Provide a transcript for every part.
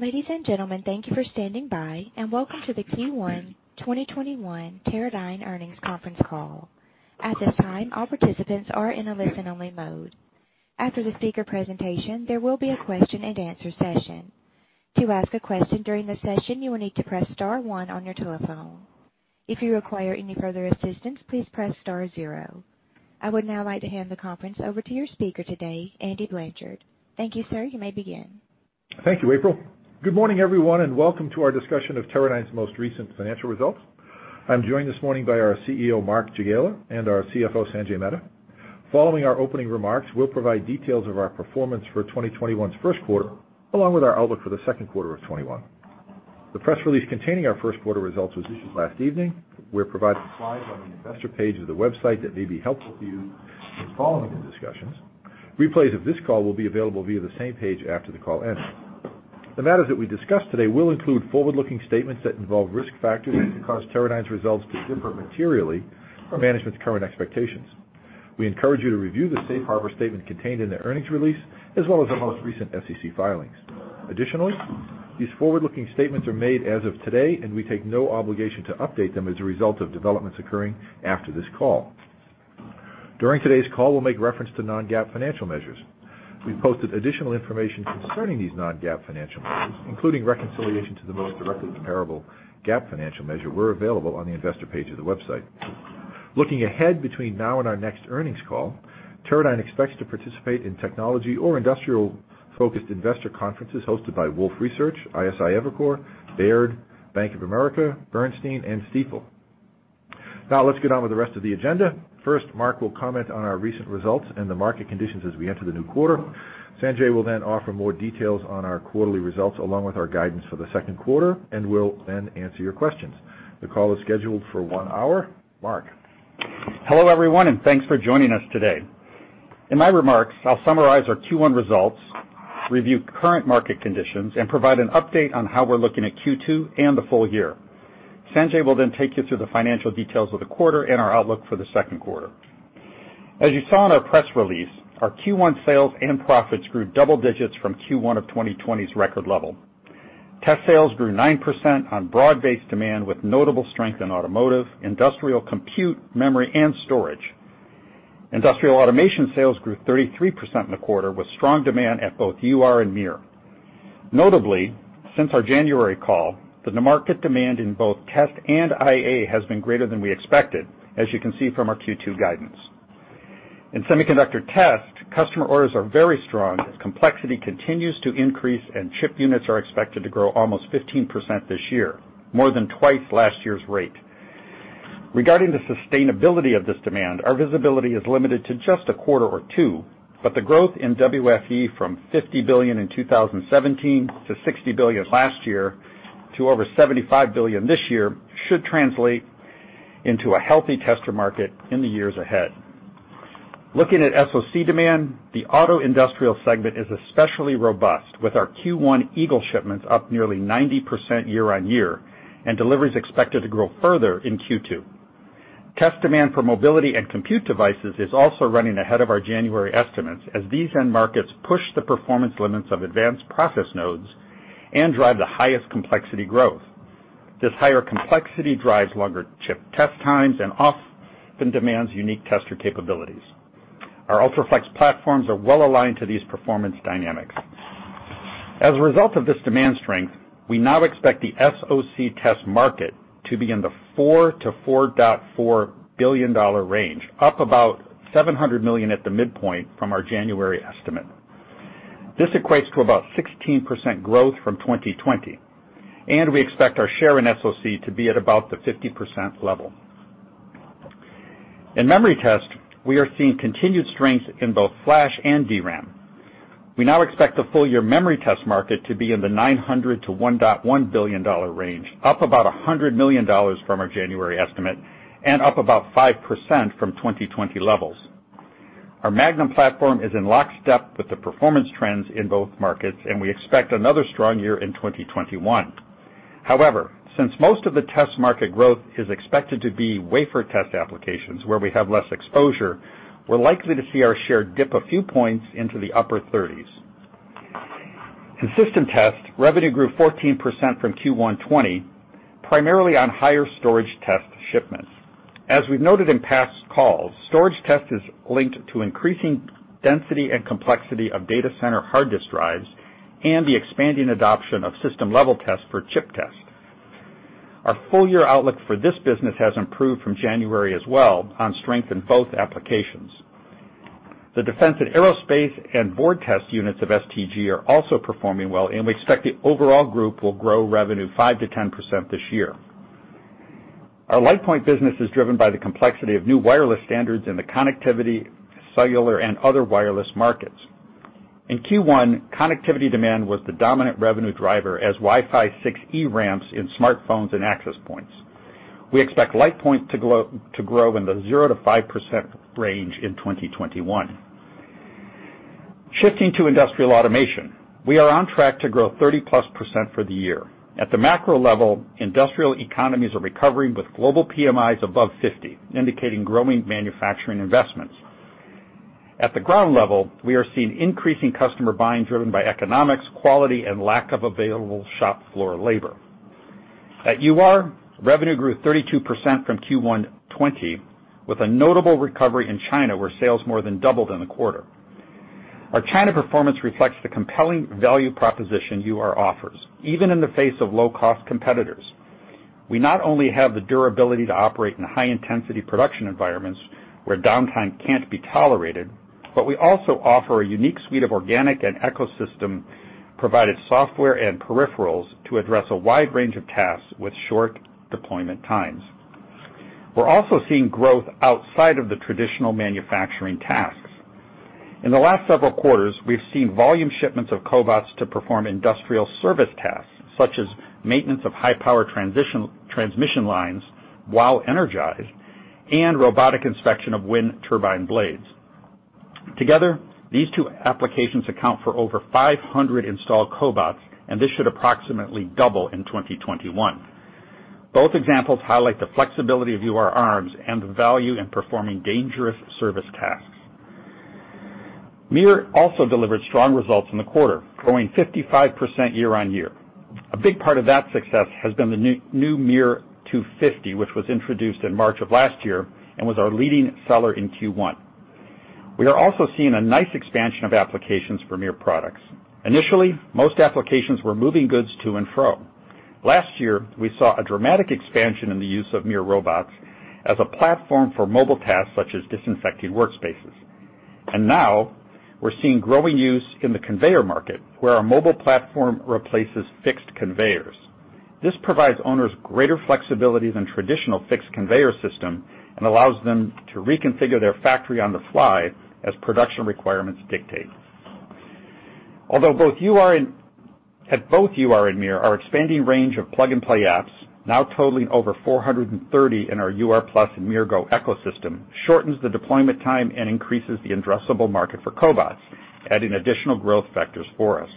Ladies and gentlemen, thank you for standing by, and welcome to the Q1 2021 Teradyne Earnings Conference Call. I would now like to hand the conference over to your speaker today, Andy Blanchard. Thank you, sir. You may begin. Thank you, April. Good morning, everyone, welcome to our discussion of Teradyne's most recent financial results. I'm joined this morning by our CEO, Mark Jagiela, and our CFO, Sanjay Mehta. Following our opening remarks, we'll provide details of our performance for 2021's first quarter, along with our outlook for the second quarter of 2021. The press release containing our first quarter results was issued last evening. We're providing slides on the investor page of the website that may be helpful to you in following the discussions. Replays of this call will be available via the same page after the call ends. The matters that we discuss today will include forward-looking statements that involve risk factors that can cause Teradyne's results to differ materially from management's current expectations. We encourage you to review the safe harbor statement contained in the earnings release, as well as our most recent SEC filings. Additionally, these forward-looking statements are made as of today, and we take no obligation to update them as a result of developments occurring after this call. During today's call, we'll make reference to non-GAAP financial measures. We've posted additional information concerning these non-GAAP financial measures, including reconciliation to the most directly comparable GAAP financial measure, where available on the investor page of the website. Looking ahead between now and our next earnings call, Teradyne expects to participate in technology or industrial-focused investor conferences hosted by Wolfe Research, Evercore ISI, Baird, Bank of America, Bernstein, and Stifel. Let's get on with the rest of the agenda. First, Mark will comment on our recent results and the market conditions as we enter the new quarter. Sanjay will then offer more details on our quarterly results, along with our guidance for the second quarter, and we'll then answer your questions. The call is scheduled for one hour. Mark. Hello, everyone, and thanks for joining us today. In my remarks, I'll summarize our Q1 results, review current market conditions, and provide an update on how we're looking at Q2 and the full year. Sanjay will then take you through the financial details of the quarter and our outlook for the second quarter. As you saw in our press release, our Q1 sales and profits grew double digits from Q1 of 2020's record level. Test sales grew 9% on broad-based demand with notable strength in automotive, industrial, compute, memory, and storage. Industrial automation sales grew 33% in the quarter with strong demand at both UR and MiR. Notably, since our January call, the market demand in both test and IA has been greater than we expected, as you can see from our Q2 guidance. In semiconductor test, customer orders are very strong, as complexity continues to increase and chip units are expected to grow almost 15% this year, more than twice last year's rate. Regarding the sustainability of this demand, our visibility is limited to just a quarter or two, but the growth in WFE from $50 billion in 2017 to $60 billion last year to over $75 billion this year should translate into a healthy tester market in the years ahead. Looking at SoC demand, the auto industrial segment is especially robust, with our Q1 Eagle shipments up nearly 90% year-on-year, and deliveries expected to grow further in Q2. Test demand for mobility and compute devices is also running ahead of our January estimates, as these end markets push the performance limits of advanced process nodes and drive the highest complexity growth. This higher complexity drives longer chip test times and often demands unique tester capabilities. Our UltraFLEX platforms are well-aligned to these performance dynamics. As a result of this demand strength, we now expect the SoC test market to be in the $4 billion-$4.4 billion range, up about $700 million at the midpoint from our January estimate. This equates to about 16% growth from 2020. We expect our share in SoC to be at about the 50% level. In memory test, we are seeing continued strength in both flash and DRAM. We now expect the full-year memory test market to be in the $900 million-$1.1 billion range, up about $100 million from our January estimate. Up about 5% from 2020 levels, our Magnum platform is in lockstep with the performance trends in both markets. We expect another strong year in 2021. However, since most of the test market growth is expected to be wafer test applications where we have less exposure, we're likely to see our share dip a few points into the upper 30s. In system test, revenue grew 14% from Q1 2020, primarily on higher storage test shipments. As we've noted in past calls, storage test is linked to increasing density and complexity of data center hard disk drives and the expanding adoption of system-level test for chip test. Our full-year outlook for this business has improved from January as well on strength in both applications. The defense and aerospace and board test units of STG are also performing well, and we expect the overall group will grow revenue 5% to 10% this year. Our LitePoint business is driven by the complexity of new wireless standards in the connectivity, cellular, and other wireless markets. In Q1, connectivity demand was the dominant revenue driver as Wi-Fi 6E ramps in smartphones and access points. We expect LitePoint to grow in the 0%-5% range in 2021. Shifting to industrial automation, we are on track to grow 30+% for the year. At the macro level, industrial economies are recovering with global PMIs above 50, indicating growing manufacturing investments. At the ground level, we are seeing increasing customer buying driven by economics, quality, and lack of available shop floor labor. At UR, revenue grew 32% from Q1 2020, with a notable recovery in China, where sales more than doubled in the quarter. Our China performance reflects the compelling value proposition UR offers, even in the face of low-cost competitors. We not only have the durability to operate in high-intensity production environments where downtime can't be tolerated, but we also offer a unique suite of organic and ecosystem-provided software and peripherals to address a wide range of tasks with short deployment times. We're also seeing growth outside of the traditional manufacturing tasks. In the last several quarters, we've seen volume shipments of cobots to perform industrial service tasks, such as maintenance of high-power transmission lines while energized and robotic inspection of wind turbine blades. Together, these two applications account for over 500 installed cobots, and this should approximately double in 2021. Both examples highlight the flexibility of UR arms and the value in performing dangerous service tasks. MiR also delivered strong results in the quarter, growing 55% year-on-year. A big part of that success has been the new MiR250, which was introduced in March of last year and was our leading seller in Q1. We are also seeing a nice expansion of applications for MiR products. Initially, most applications were moving goods to and fro. Last year, we saw a dramatic expansion in the use of MiR robots as a platform for mobile tasks such as disinfecting workspaces. Now we're seeing growing use in the conveyor market, where our mobile platform replaces fixed conveyors. This provides owners greater flexibility than traditional fixed conveyor system and allows them to reconfigure their factory on the fly as production requirements dictate. At both UR and MiR, our expanding range of plug-and-play apps, now totaling over 430 in our UR+ and MiR Go ecosystem, shortens the deployment time and increases the addressable market for cobots, adding additional growth vectors for us.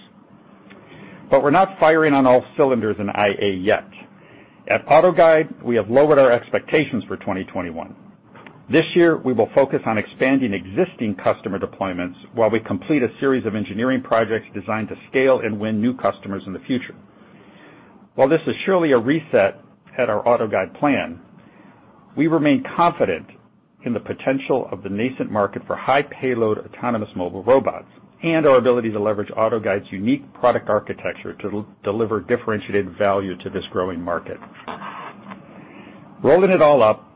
We're not firing on all cylinders in IA yet. At AutoGuide, we have lowered our expectations for 2021. This year, we will focus on expanding existing customer deployments while we complete a series of engineering projects designed to scale and win new customers in the future. While this is surely a reset at our AutoGuide plan, we remain confident in the potential of the nascent market for high-payload autonomous mobile robots and our ability to leverage AutoGuide's unique product architecture to deliver differentiated value to this growing market. Rolling it all up,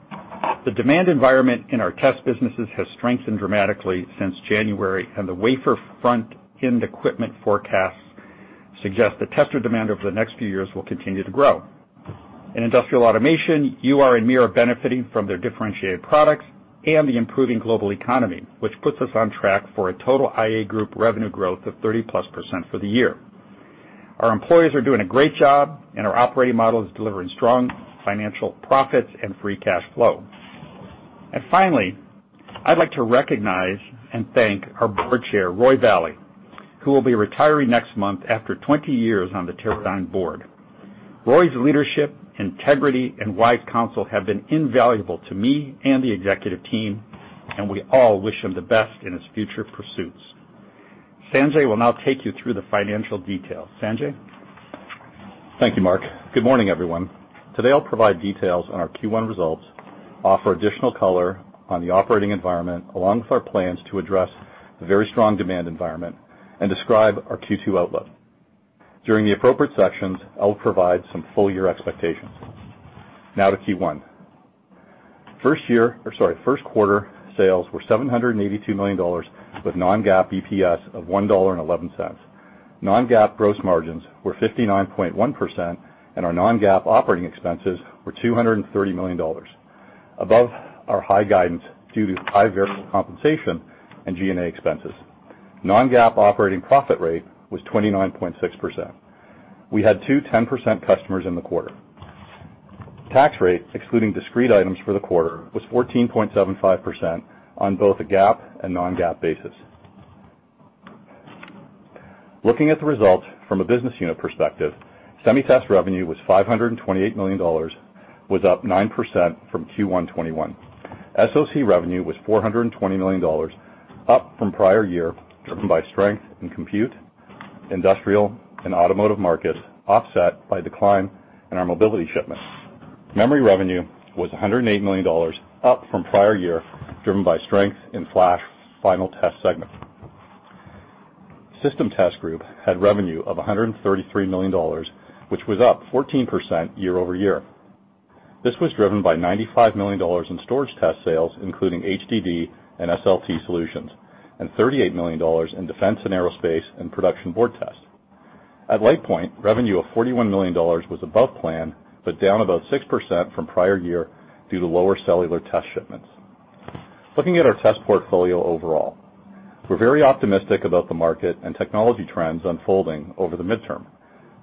the demand environment in our test businesses has strengthened dramatically since January, and the wafer front-end equipment forecasts suggest the tester demand over the next few years will continue to grow. In Industrial Automation, UR and MiR are benefiting from their differentiated products and the improving global economy, which puts us on track for a total IA Group revenue growth of 30%+ for the year. Our employees are doing a great job, our operating model is delivering strong financial profits and free cash flow. Finally, I'd like to recognize and thank our Board Chair, Roy Vallee, who will be retiring next month after 20 years on the Teradyne Board. Roy's leadership, integrity, and wise counsel have been invaluable to me and the executive team, we all wish him the best in his future pursuits. Sanjay will now take you through the financial details. Sanjay? Thank you, Mark. Good morning, everyone. Today, I'll provide details on our Q1 results, offer additional color on the operating environment, along with our plans to address the very strong demand environment, and describe our Q2 outlook. During the appropriate sections, I will provide some full-year expectations. Now to Q1. First quarter sales were $782 million, with non-GAAP EPS of $1.11. Non-GAAP gross margins were 59.1%, and our non-GAAP operating expenses were $230 million, above our high guidance due to high variable compensation and G&A expenses. Non-GAAP operating profit rate was 29.6%. We had two 10% customers in the quarter. Tax rate, excluding discrete items for the quarter, was 14.75% on both a GAAP and non-GAAP basis. Looking at the results from a business unit perspective, Semi Test revenue was $528 million, up 9% from Q1 2021. SoC revenue was $420 million, up from prior year, driven by strength in compute, industrial, and automotive markets, offset by decline in our mobility shipments. Memory revenue was $108 million, up from prior year, driven by strength in flash final test segment. System Test Group had revenue of $133 million, which was up 14% year-over-year. This was driven by $95 million in storage test sales, including HDD and SLT solutions, and $38 million in defense and aerospace and production board test. At LitePoint, revenue of $41 million was above plan, but down about 6% from prior year due to lower cellular test shipments. Looking at our test portfolio overall, we're very optimistic about the market and technology trends unfolding over the midterm.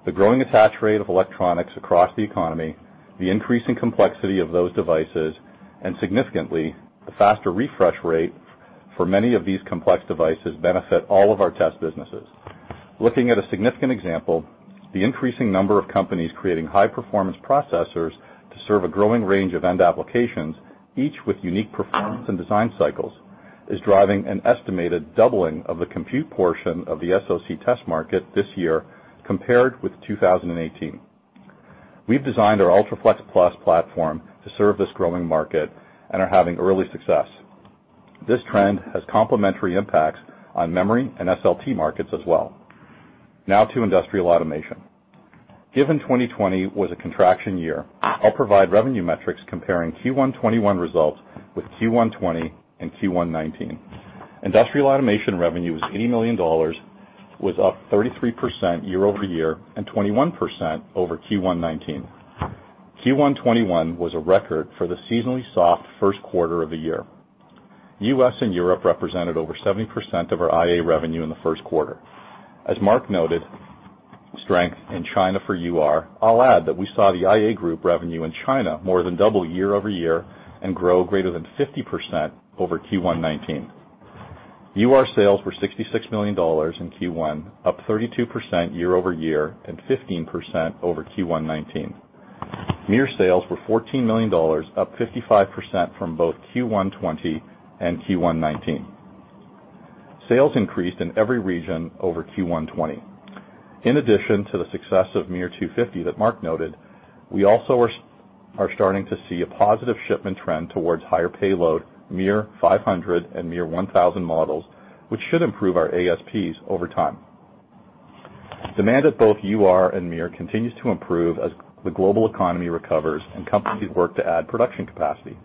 The growing attach rate of electronics across the economy, the increasing complexity of those devices, and significantly, the faster refresh rate for many of these complex devices benefit all of our test businesses. Looking at a significant example, the increasing number of companies creating high-performance processors to serve a growing range of end applications, each with unique performance and design cycles, is driving an estimated doubling of the compute portion of the SoC test market this year compared with 2018. We've designed our UltraFLEXplus platform to serve this growing market and are having early success. This trend has complementary impacts on memory and SLT markets as well. Now to Industrial Automation. Given 2020 was a contraction year, I'll provide revenue metrics comparing Q1 2021 results with Q1 2020 and Q1 2019. Industrial Automation revenue was $80 million, was up 33% year-over-year and 21% over Q1 2019. Q1 2021 was a record for the seasonally soft first quarter of the year. U.S. and Europe represented over 70% of our IA revenue in the first quarter. As Mark noted, strength in China for UR, I'll add that we saw the IA group revenue in China more than double year-over-year and grow greater than 50% over Q1 2019. UR sales were $66 million in Q1, up 32% year-over-year and 15% over Q1 2019. MiR sales were $14 million, up 55% from both Q1 2020 and Q1 2019. Sales increased in every region over Q1 2020. In addition to the success of MiR250 that Mark noted, we also are starting to see a positive shipment trend towards higher payload MiR500 and MiR1000 models, which should improve our ASPs over time. Demand at both UR and MiR continues to improve as the global economy recovers and companies work to add production capacity.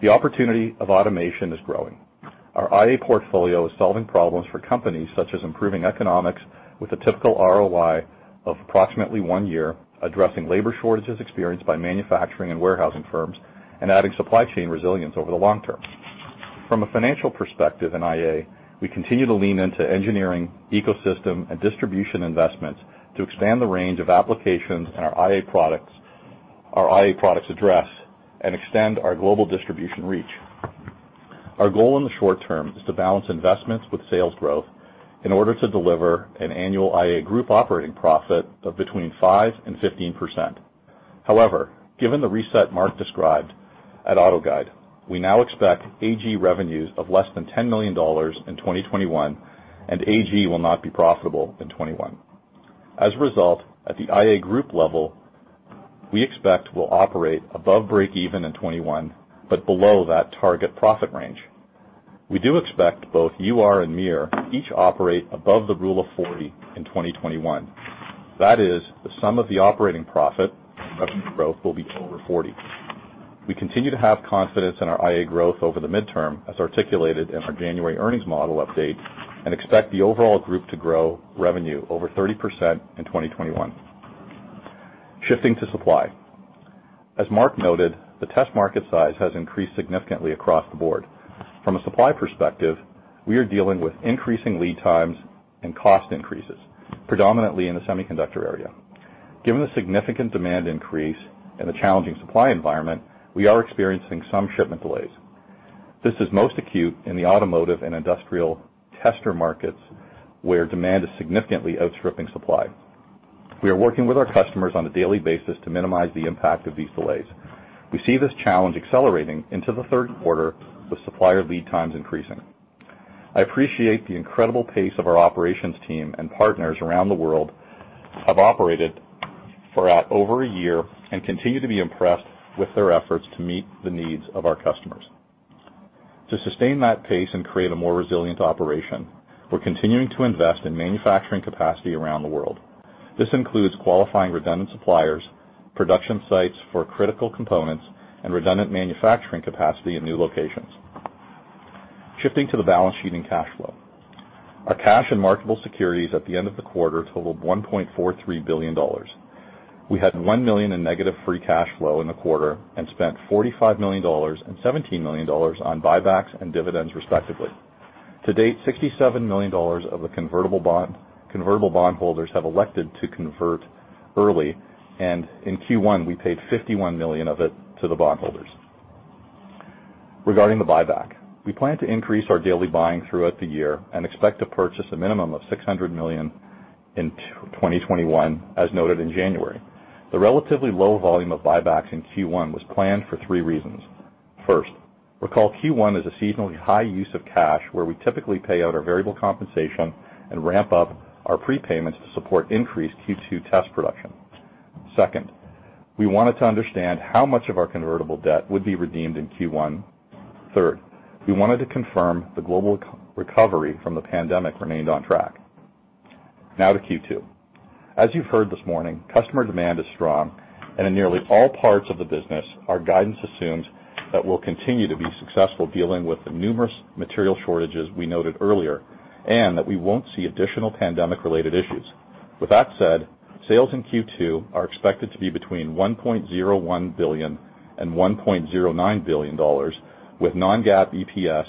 The opportunity of automation is growing. Our IA portfolio is solving problems for companies such as improving economics with a typical ROI of approximately one year, addressing labor shortages experienced by manufacturing and warehousing firms, and adding supply chain resilience over the long term. From a financial perspective in IA, we continue to lean into engineering, ecosystem, and distribution investments to expand the range of applications our IA products address and extend our global distribution reach. Our goal in the short term is to balance investments with sales growth in order to deliver an annual IA group operating profit of between 5% and 15%. However, given the reset Mark described at AutoGuide, we now expect AG revenues of less than $10 million in 2021, and AG will not be profitable in 2021. As a result, at the IA group level, we expect we'll operate above breakeven in 2021, but below that target profit range. We do expect both UR and MiR each operate above the rule of 40 in 2021. That is, the sum of the operating profit and revenue growth will be over 40. We continue to have confidence in our IA growth over the midterm, as articulated in our January earnings model update, and expect the overall group to grow revenue over 30% in 2021. Shifting to supply. As Mark noted, the test market size has increased significantly across the board. From a supply perspective, we are dealing with increasing lead times and cost increases, predominantly in the semiconductor area. Given the significant demand increase and the challenging supply environment, we are experiencing some shipment delays. This is most acute in the automotive and industrial tester markets, where demand is significantly outstripping supply. We are working with our customers on a daily basis to minimize the impact of these delays. We see this challenge accelerating into the third quarter with supplier lead times increasing. I appreciate the incredible pace of our operations team and partners around the world have operated for over a year and continue to be impressed with their efforts to meet the needs of our customers. To sustain that pace and create a more resilient operation, we're continuing to invest in manufacturing capacity around the world. This includes qualifying redundant suppliers, production sites for critical components, and redundant manufacturing capacity in new locations. Shifting to the balance sheet and cash flow. Our cash and marketable securities at the end of the quarter totaled $1.43 billion. We had $1 million in negative free cash flow in the quarter and spent $45 million and $17 million on buybacks and dividends respectively. To date, $67 million of the convertible bondholders have elected to convert early, and in Q1, we paid $51 million of it to the bondholders. Regarding the buyback, we plan to increase our daily buying throughout the year and expect to purchase a minimum of $600 million in 2021, as noted in January. The relatively low volume of buybacks in Q1 was planned for three reasons. First, recall Q1 is a seasonally high use of cash where we typically pay out our variable compensation and ramp up our prepayments to support increased Q2 test production. Second, we wanted to understand how much of our convertible debt would be redeemed in Q1. We wanted to confirm the global recovery from the pandemic remained on track. To Q2. As you've heard this morning, customer demand is strong, and in nearly all parts of the business, our guidance assumes that we'll continue to be successful dealing with the numerous material shortages we noted earlier, and that we won't see additional pandemic-related issues. Sales in Q2 are expected to be between $1.01 billion and $1.09 billion, with non-GAAP EPS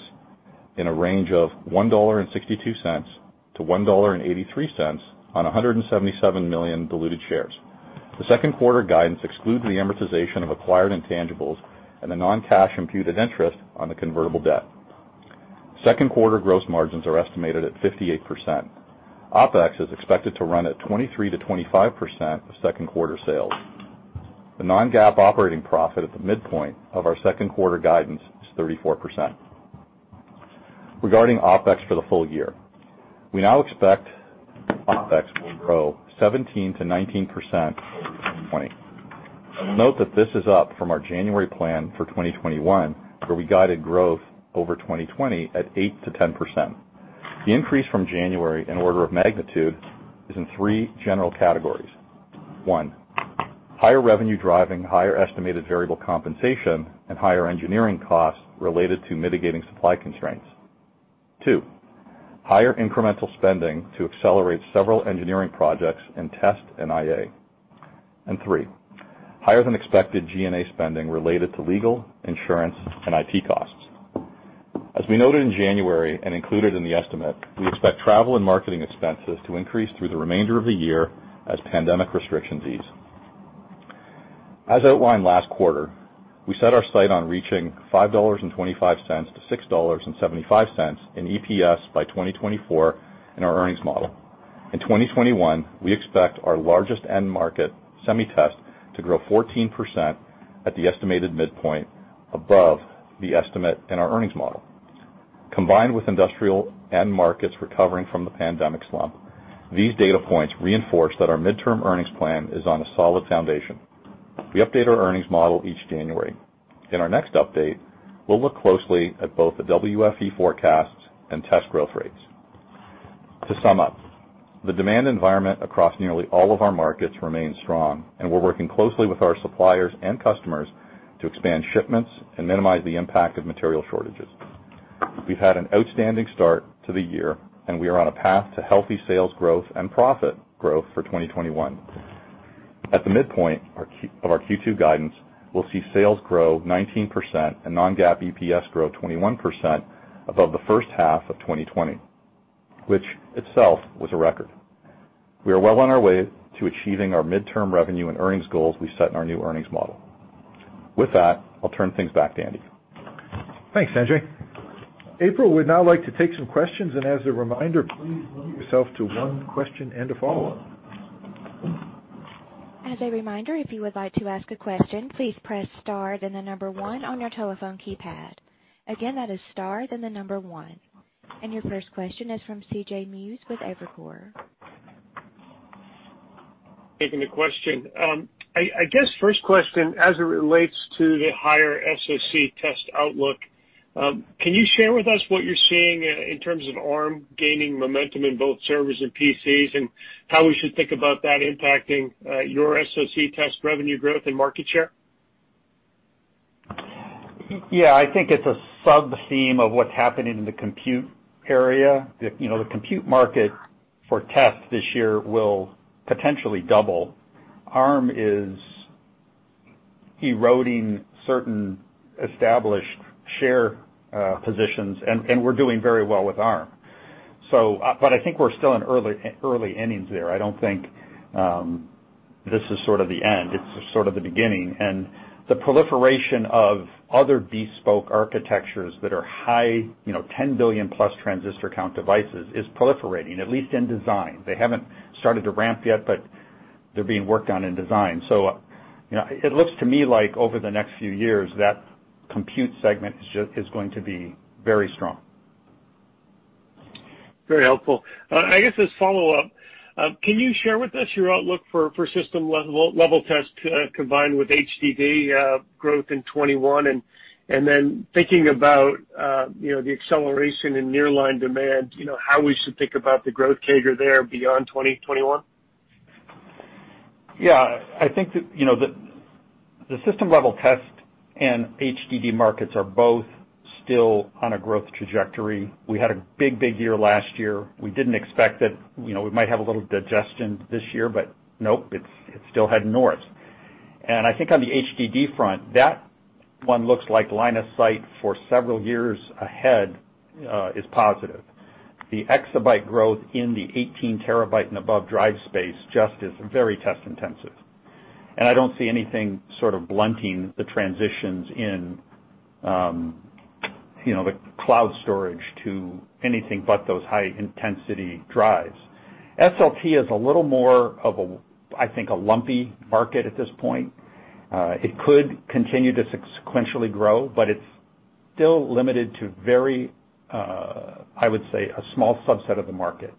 in a range of $1.62-$1.83 on 177 million diluted shares. The second quarter guidance excludes the amortization of acquired intangibles and the non-cash imputed interest on the convertible debt. Second quarter gross margins are estimated at 58%. OpEx is expected to run at 23%-25% of second quarter sales. The non-GAAP operating profit at the midpoint of our second quarter guidance is 34%. Regarding OpEx for the full year, we now expect OpEx will grow 17% to 19% over 2020. Note that this is up from our January plan for 2021, where we guided growth over 2020 at 8% to 10%. The increase from January in order of magnitude is in three general categories. One. Higher revenue driving higher estimated variable compensation and higher engineering costs related to mitigating supply constraints. Two. Higher incremental spending to accelerate several engineering projects and test and IA. Three. Higher than expected G&A spending related to legal, insurance, and IT costs. As we noted in January and included in the estimate, we expect travel and marketing expenses to increase through the remainder of the year as pandemic restrictions ease. As outlined last quarter, we set our sight on reaching $5.25-$6.75 in EPS by 2024 in our earnings model. In 2021, we expect our largest end market Semi Test to grow 14% at the estimated midpoint above the estimate in our earnings model. Combined with industrial end markets recovering from the pandemic slump, these data points reinforce that our midterm earnings plan is on a solid foundation. We update our earnings model each January. In our next update, we'll look closely at both the WFE forecasts and test growth rates. To sum up, the demand environment across nearly all of our markets remains strong, and we're working closely with our suppliers and customers to expand shipments and minimize the impact of material shortages. We've had an outstanding start to the year, and we are on a path to healthy sales growth and profit growth for 2021. At the midpoint of our Q2 guidance, we'll see sales grow 19% and non-GAAP EPS grow 21% above the first half of 2020, which itself was a record. We are well on our way to achieving our midterm revenue and earnings goals we set in our new earnings model. With that, I'll turn things back to Andy. Thanks, Sanjay. April, we'd now like to take some questions, and as a reminder, please limit yourself to one question and a follow-up. As a reminder, if you would like to ask a question, please press star, then the number one on your telephone keypad. Again, that is star, then the number one. Your first question is from C.J. Muse with Evercore. Thanks for taking the question. I guess first question, as it relates to the higher SoC test outlook, can you share with us what you're seeing in terms of Arm gaining momentum in both servers and PCs, and how we should think about that impacting your SoC test revenue growth and market share? I think it's a sub-theme of what's happening in the compute area. The compute market for tests this year will potentially double. Arm is eroding certain established share positions, and we're doing very well with Arm. I think we're still in early innings there. I don't think this is sort of the end. It's just sort of the beginning. The proliferation of other bespoke architectures that are high, 10 billion+ transistor count devices is proliferating, at least in design. They haven't started to ramp yet, but they're being worked on in design. It looks to me like over the next few years, that compute segment is going to be very strong. Very helpful. I guess as follow-up, can you share with us your outlook for SLT combined with HDD growth in 2021? Thinking about the acceleration in nearline demand, how we should think about the growth CAGR there beyond 2021? Yeah. I think that the system level test and HDD markets are both still on a growth trajectory. We had a big year last year. We didn't expect it. We might have a little digestion this year, but nope, it's still heading north. I think on the HDD front, that one looks like line of sight for several years ahead is positive. The exabyte growth in the 18 TB and above drive space just is very test intensive. I don't see anything sort of blunting the transitions in the cloud storage to anything but those high intensity drives. SLT is a little more of, I think, a lumpy market at this point. It could continue to sequentially grow, but it's still limited to very, I would say, a small subset of the market,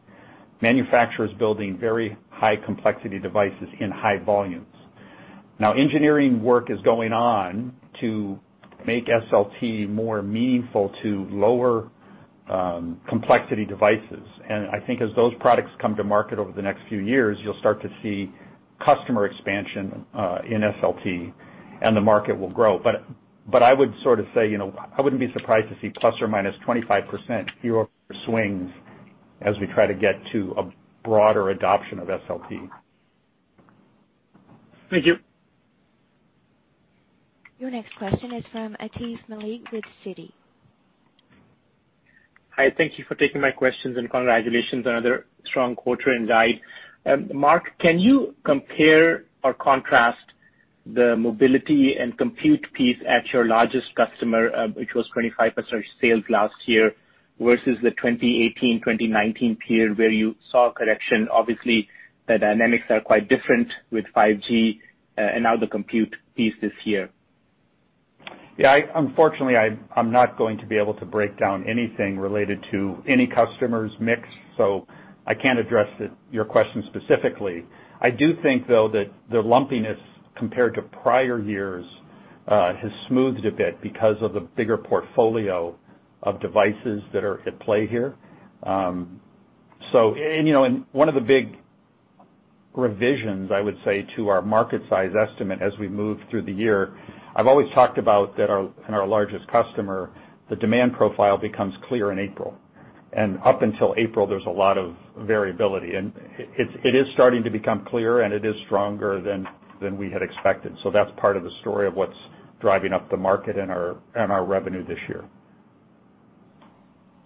manufacturers building very high complexity devices in high volumes. Now, engineering work is going on to make SLT more meaningful to lower complexity devices. I think as those products come to market over the next few years, you'll start to see customer expansion in SLT and the market will grow. I would sort of say, I wouldn't be surprised to see ±25% year-over-year swings as we try to get to a broader adoption of SLT. Thank you. Your next question is from Atif Malik with Citi. Hi. Thank you for taking my questions and congratulations on another strong quarter and guide. Mark, can you compare or contrast the mobility and compute piece at your largest customer, which was 25% of sales last year, versus the 2018, 2019 period where you saw correction? Obviously, the dynamics are quite different with 5G and now the compute piece this year. Unfortunately, I'm not going to be able to break down anything related to any customer's mix, so I can't address your question specifically. I do think, though, that the lumpiness compared to prior years, has smoothed a bit because of the bigger portfolio of devices that are at play here. One of the big revisions, I would say, to our market size estimate as we move through the year, I've always talked about that in our largest customer, the demand profile becomes clear in April. Up until April, there's a lot of variability. It is starting to become clearer, and it is stronger than we had expected. That's part of the story of what's driving up the market and our revenue this year.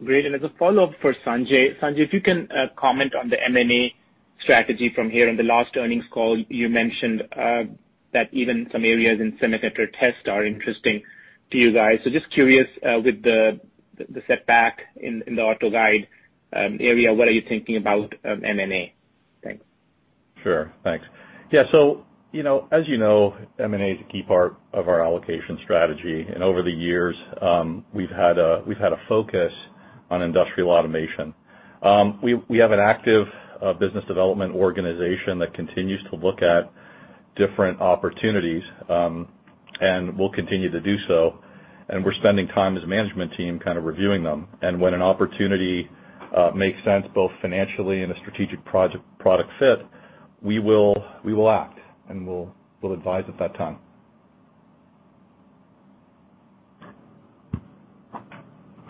Great. As a follow-up for Sanjay. Sanjay, if you can comment on the M&A strategy from here. In the last earnings call, you mentioned that even some areas in Semi Test are interesting to you guys. Just curious, with the setback in the AutoGuide area, what are you thinking about M&A? Thanks. Sure. Thanks. As you know, M&A is a key part of our allocation strategy. Over the years, we've had a focus on industrial automation. We have an active business development organization that continues to look at different opportunities, and we'll continue to do so, and we're spending time as a management team kind of reviewing them. When an opportunity makes sense, both financially and a strategic product fit, we will act, and we'll advise at that time.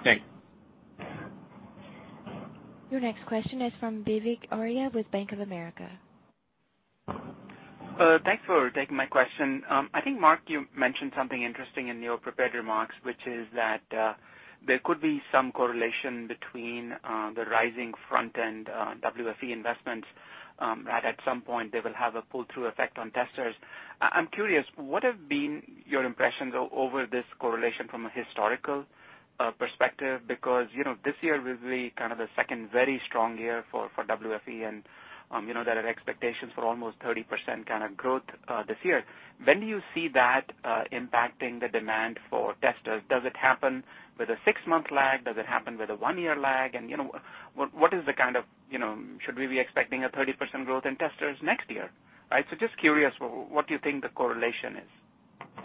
Thanks. Your next question is from Vivek Arya with Bank of America. Thanks for taking my question. I think, Mark, you mentioned something interesting in your prepared remarks, which is that there could be some correlation between the rising front-end WFE investments, that at some point, they will have a pull-through effect on testers. I'm curious, what have been your impressions over this correlation from a historical perspective? This year will be kind of the second very strong year for WFE, and there are expectations for almost 30% kind of growth this year. When do you see that impacting the demand for testers? Does it happen with a six-month lag? Does it happen with a one-year lag? Should we be expecting a 30% growth in testers next year? Just curious, what you think the correlation is.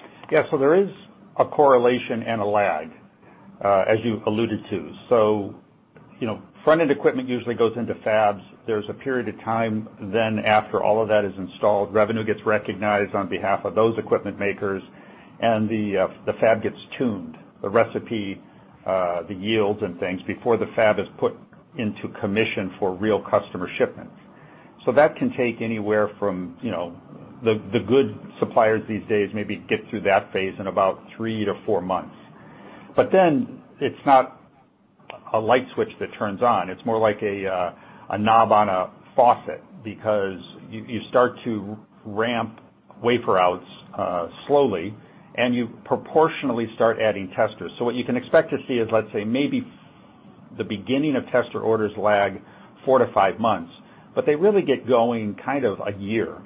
There is a correlation and a lag, as you alluded to. Front-end equipment usually goes into fabs. There's a period of time then after all of that is installed, revenue gets recognized on behalf of those equipment makers, and the fab gets tuned, the recipe, the yields and things before the fab is put into commission for real customer shipments. That can take anywhere from the good suppliers these days maybe get through that phase in about three to four months. It's not a light switch that turns on. It's more like a knob on a faucet because you start to ramp wafer outs slowly, and you proportionally start adding testers. What you can expect to see is, let's say, maybe the beginning of tester orders lag four to five months. They really get going kind of a year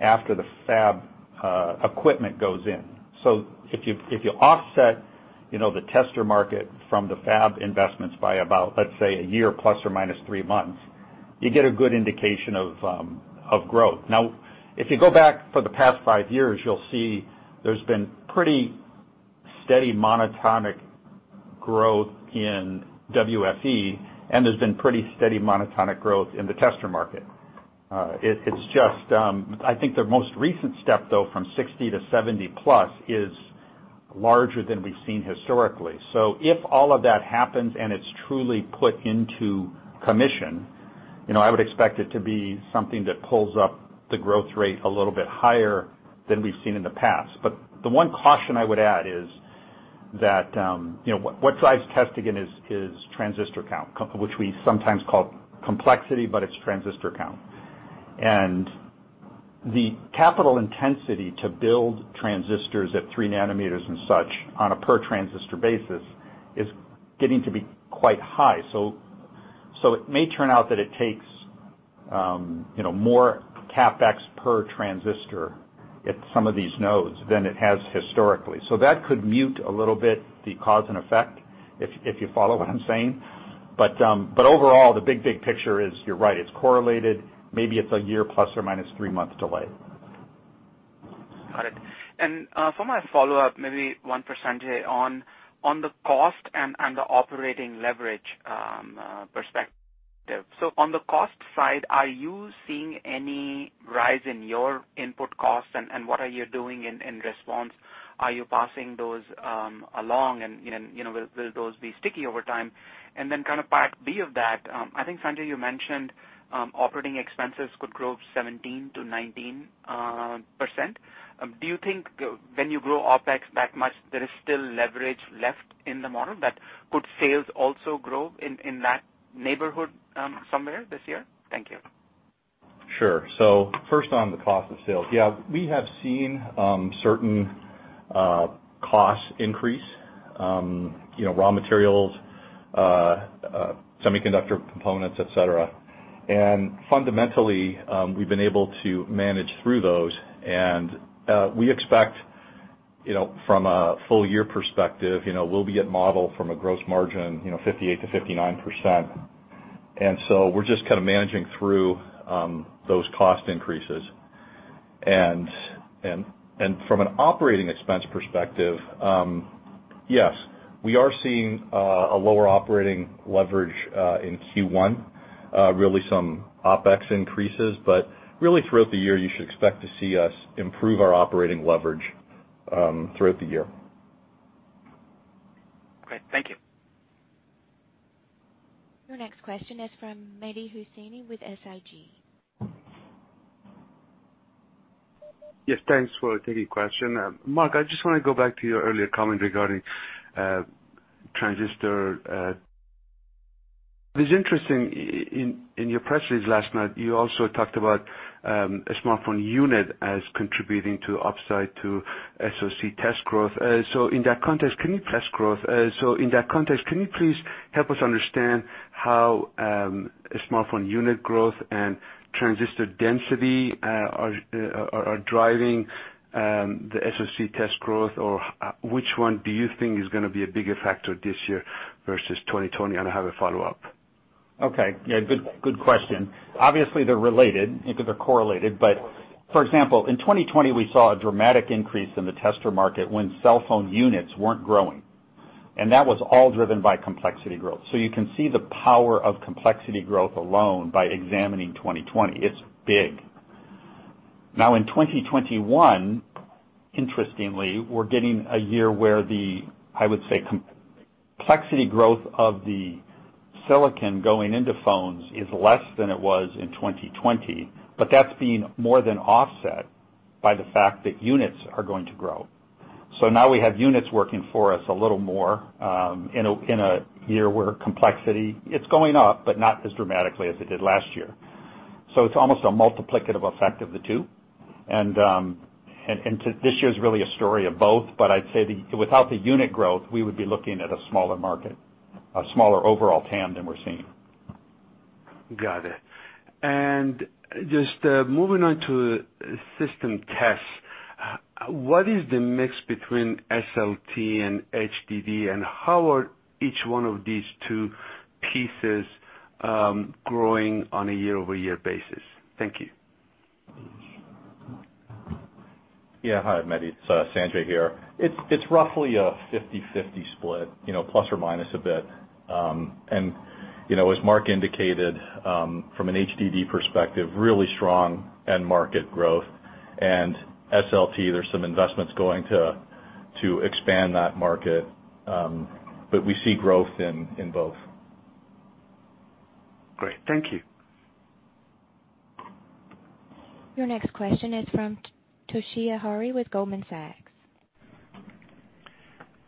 after the fab equipment goes in. If you offset the tester market from the fab investments by about, let's say, a year ±3 months, you get a good indication of growth. Now, if you go back for the past five years, you'll see there's been pretty steady monotonic growth in WFE, and there's been pretty steady monotonic growth in the tester market. I think the most recent step, though, from 60-70+ is larger than we've seen historically. If all of that happens and it's truly put into commission, I would expect it to be something that pulls up the growth rate a little bit higher than we've seen in the past. The one caution I would add is that, what drives test again is transistor count, which we sometimes call complexity, but it's transistor count. The capital intensity to build transistors at 3 nm and such on a per-transistor basis is getting to be quite high. It may turn out that it takes more CapEx per transistor at some of these nodes than it has historically. That could mute a little bit the cause and effect, if you follow what I'm saying. Overall, the big picture is you're right. It's correlated. Maybe it's a year ±3-month delay. Got it. For my follow-up, maybe one for Sanjay on the cost and the operating leverage perspective. On the cost side, are you seeing any rise in your input costs, and what are you doing in response? Are you passing those along and will those be sticky over time? Then kind of part B of that, I think, Sanjay, you mentioned operating expenses could grow 17%-19%. Do you think when you grow OpEx that much, there is still leverage left in the model that could sales also grow in that neighborhood somewhere this year? Thank you. Sure. First on the cost of sales. We have seen certain cost increase, raw materials, semiconductor components, et cetera. Fundamentally, we've been able to manage through those, and we expect from a full year perspective, we'll be at model from a gross margin, 58%-59%. We're just kind of managing through those cost increases. From an operating expense perspective, yes, we are seeing a lower operating leverage in Q1, really some OpEx increases. Really throughout the year, you should expect to see us improve our operating leverage throughout the year. Great. Thank you. Your next question is from Mehdi Hosseini with SIG. Yes, thanks for taking question. Mark, I just want to go back to your earlier comment regarding transistor. It was interesting in your press release last night, you also talked about smartphone unit as contributing to upside to SoC test growth. In that context, can you please help us understand how smartphone unit growth and transistor density are driving the SoC test growth? Or which one do you think is going to be a bigger factor this year versus 2020? I have a follow-up. Okay. Good question. Obviously, they're related, they're correlated. For example, in 2020, we saw a dramatic increase in the tester market when cell phone units weren't growing, and that was all driven by complexity growth. You can see the power of complexity growth alone by examining 2020. It's big. In 2021, interestingly, we're getting a year where the, I would say, complexity growth of the silicon going into phones is less than it was in 2020, but that's being more than offset by the fact that units are going to grow. Now we have units working for us a little more, in a year where complexity, it's going up, but not as dramatically as it did last year. It's almost a multiplicative effect of the two. This year is really a story of both, but I'd say without the unit growth, we would be looking at a smaller market, a smaller overall TAM than we're seeing. Got it. Just moving on to System Test Group, what is the mix between SLT and HDD, and how are each one of these two pieces growing on a year-over-year basis? Thank you. Yeah. Hi, Mehdi, it's Sanjay here. It's roughly a 50/50 split, plus or minus a bit. As Mark indicated, from an HDD perspective, really strong end market growth. SLT, there's some investments going to expand that market. We see growth in both. Great. Thank you. Your next question is from Toshiya Hari with Goldman Sachs.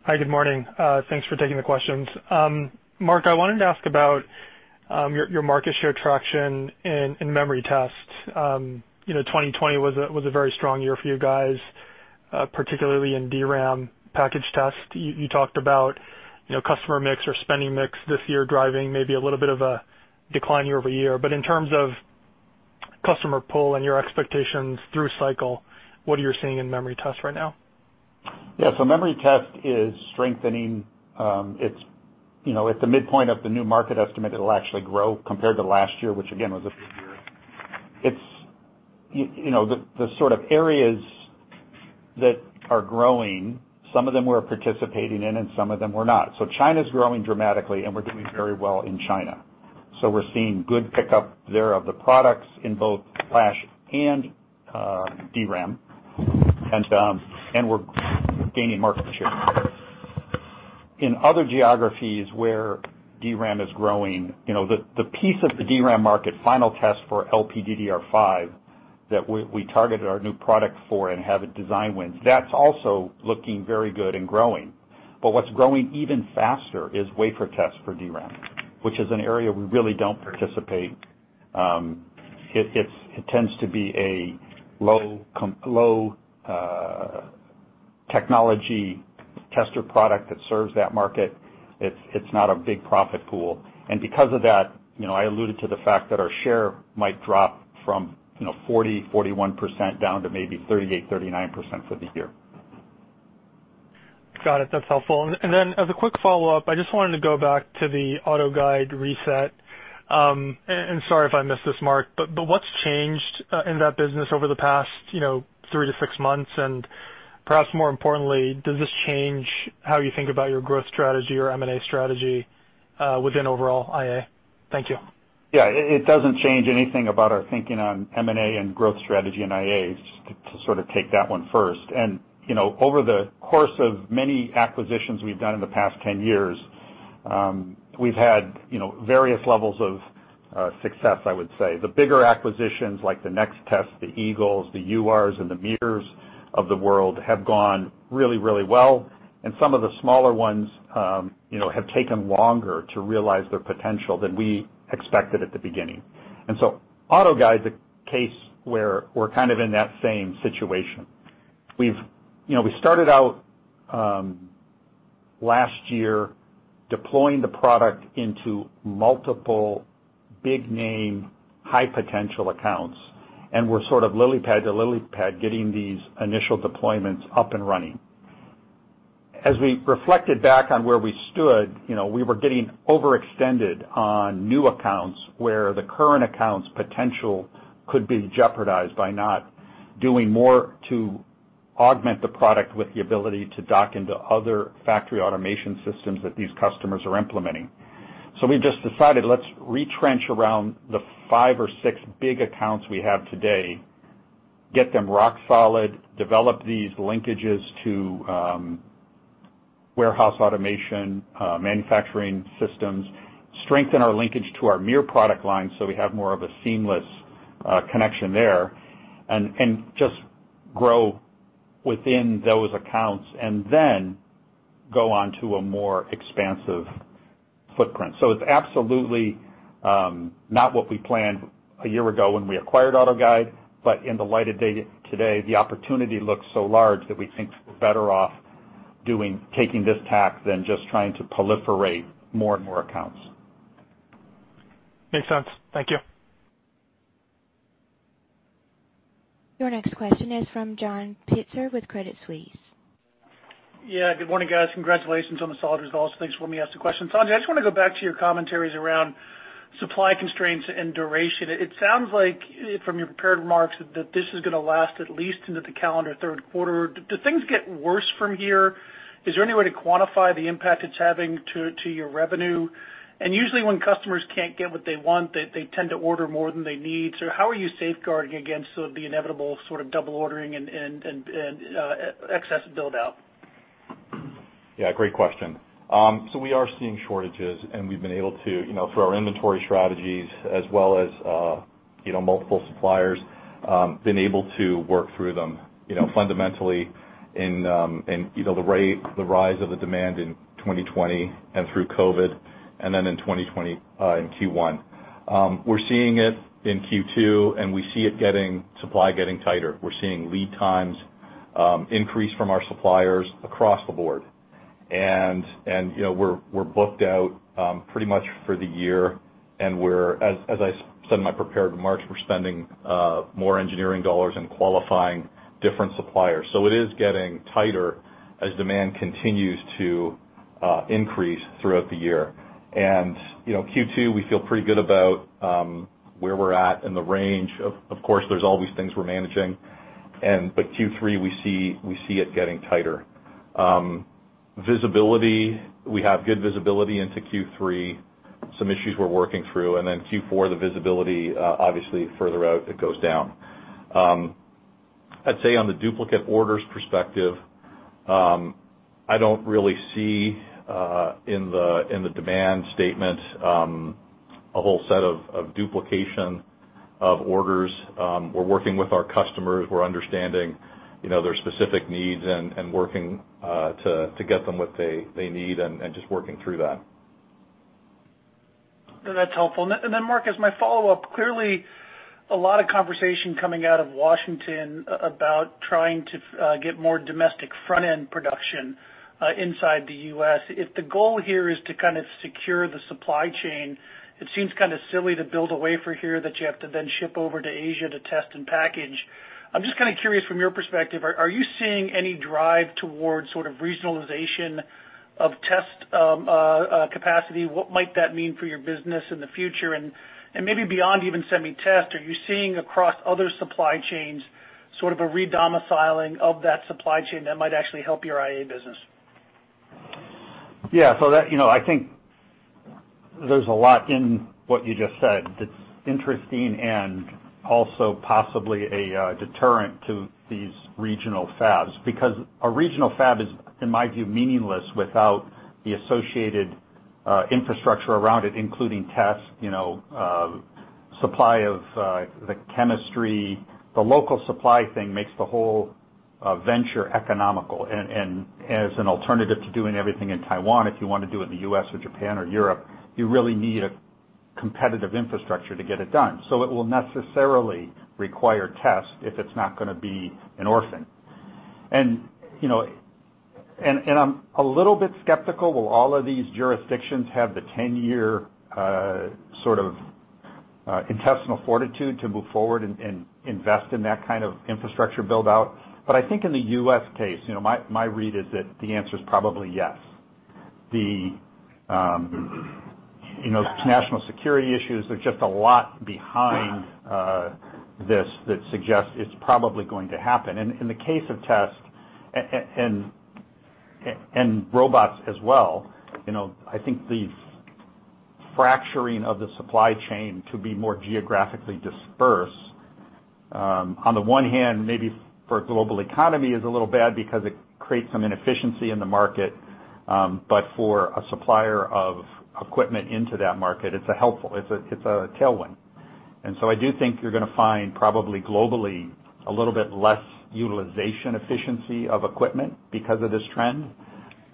Hi, good morning. Thanks for taking the questions. Mark, I wanted to ask about your market share traction in memory test. 2020 was a very strong year for you guys, particularly in DRAM package test. You talked about customer mix or spending mix this year driving maybe a little bit of a decline year-over-year. In terms of customer pull and your expectations through cycle, what are you seeing in memory test right now? Memory test is strengthening. At the midpoint of the new market estimate, it'll actually grow compared to last year, which again, was a good year. The sort of areas that are growing, some of them we're participating in and some of them we're not. China's growing dramatically, and we're doing very well in China. We're seeing good pickup there of the products in both flash and DRAM, and we're gaining market share. In other geographies where DRAM is growing, the piece of the DRAM market final test for LPDDR5 that we targeted our new product for and have design wins, that's also looking very good and growing. What's growing even faster is wafer test for DRAM, which is an area we really don't participate. It tends to be a low technology tester product that serves that market. It's not a big profit pool. Because of that, I alluded to the fact that our share might drop from 40%, 41% down to maybe 38%, 39% for the year. Got it. That's helpful. As a quick follow-up, I just wanted to go back to the AutoGuide reset. Sorry if I missed this, Mark, what's changed in that business over the past three to six months? Perhaps more importantly, does this change how you think about your growth strategy or M&A strategy within overall IA? Thank you. It doesn't change anything about our thinking on M&A and growth strategy in IA, just to sort of take that one first. Over the course of many acquisitions we've done in the past 10 years, we've had various levels of success, I would say. The bigger acquisitions like the Nextest, the Eagles, the URs, and the MiRs of the world have gone really, really well, and some of the smaller ones have taken longer to realize their potential than we expected at the beginning. AutoGuide's a case where we're kind of in that same situation. We started out last year deploying the product into multiple big name, high potential accounts, and we're sort of lily pad to lily pad getting these initial deployments up and running. As we reflected back on where we stood, we were getting overextended on new accounts where the current account's potential could be jeopardized by not doing more to augment the product with the ability to dock into other factory automation systems that these customers are implementing. We've just decided, let's retrench around the five or six big accounts we have today, get them rock solid, develop these linkages to warehouse automation, manufacturing systems, strengthen our linkage to our MiR product line so we have more of a seamless connection there, and just grow within those accounts, and then go on to a more expansive footprint. It's absolutely not what we planned a year ago when we acquired AutoGuide, but in the light of day today, the opportunity looks so large that we think we're better off taking this tack than just trying to proliferate more and more accounts. Makes sense. Thank you. Your next question is from John Pitzer with Credit Suisse. Good morning, guys. Congratulations on the solid results. Thanks for letting me ask the question. Sanjay, I just want to go back to your commentaries around supply constraints and duration. It sounds like from your prepared remarks that this is going to last at least into the calendar third quarter. Do things get worse from here? Is there any way to quantify the impact it's having to your revenue? Usually when customers can't get what they want, they tend to order more than they need. How are you safeguarding against sort of the inevitable sort of double ordering and excess build-out? Yeah, great question. We are seeing shortages, and we've been able to, for our inventory strategies as well as multiple suppliers, been able to work through them fundamentally in the rise of the demand in 2020 and through COVID, and then in 2020 in Q1. We're seeing it in Q2, and we see supply getting tighter. We're seeing lead times increase from our suppliers across the board. We're booked out pretty much for the year, and as I said in my prepared remarks, we're spending more engineering dollars in qualifying different suppliers. It is getting tighter as demand continues to increase throughout the year. Q2, we feel pretty good about where we're at and the range. Of course, there's always things we're managing, but Q3, we see it getting tighter. Visibility, we have good visibility into Q3, some issues we're working through, and then Q4, the visibility, obviously further out it goes down. I'd say on the duplicate orders perspective, I don't really see, in the demand statement, a whole set of duplication of orders. We're working with our customers, we're understanding their specific needs and working to get them what they need and just working through that. That's helpful. Mark, as my follow-up, clearly a lot of conversation coming out of Washington about trying to get more domestic front-end production inside the U.S. If the goal here is to kind of secure the supply chain, it seems kind of silly to build a wafer here that you have to then ship over to Asia to test and package. I'm just kind of curious from your perspective, are you seeing any drive towards sort of regionalization of test capacity? What might that mean for your business in the future? Maybe beyond even Semi Test, are you seeing across other supply chains sort of a re-domiciling of that supply chain that might actually help your IA business? I think there's a lot in what you just said that's interesting and also possibly a deterrent to these regional fabs. A regional fab is, in my view, meaningless without the associated infrastructure around it, including test, supply of the chemistry. The local supply thing makes the whole venture economical. As an alternative to doing everything in Taiwan, if you want to do it in the U.S. or Japan or Europe, you really need a competitive infrastructure to get it done. It will necessarily require tests if it's not going to be an orphan. I'm a little bit skeptical, will all of these jurisdictions have the 10-year sort of intestinal fortitude to move forward and invest in that kind of infrastructure build-out? I think in the U.S. case, my read is that the answer is probably yes. The national security issues, there's just a lot behind this that suggests it's probably going to happen. In the case of test, and robots as well, I think the fracturing of the supply chain to be more geographically dispersed. On the one hand, maybe for a global economy is a little bad because it creates some inefficiency in the market, but for a supplier of equipment into that market, it's helpful. It's a tailwind. I do think you're going to find probably globally, a little bit less utilization efficiency of equipment because of this trend,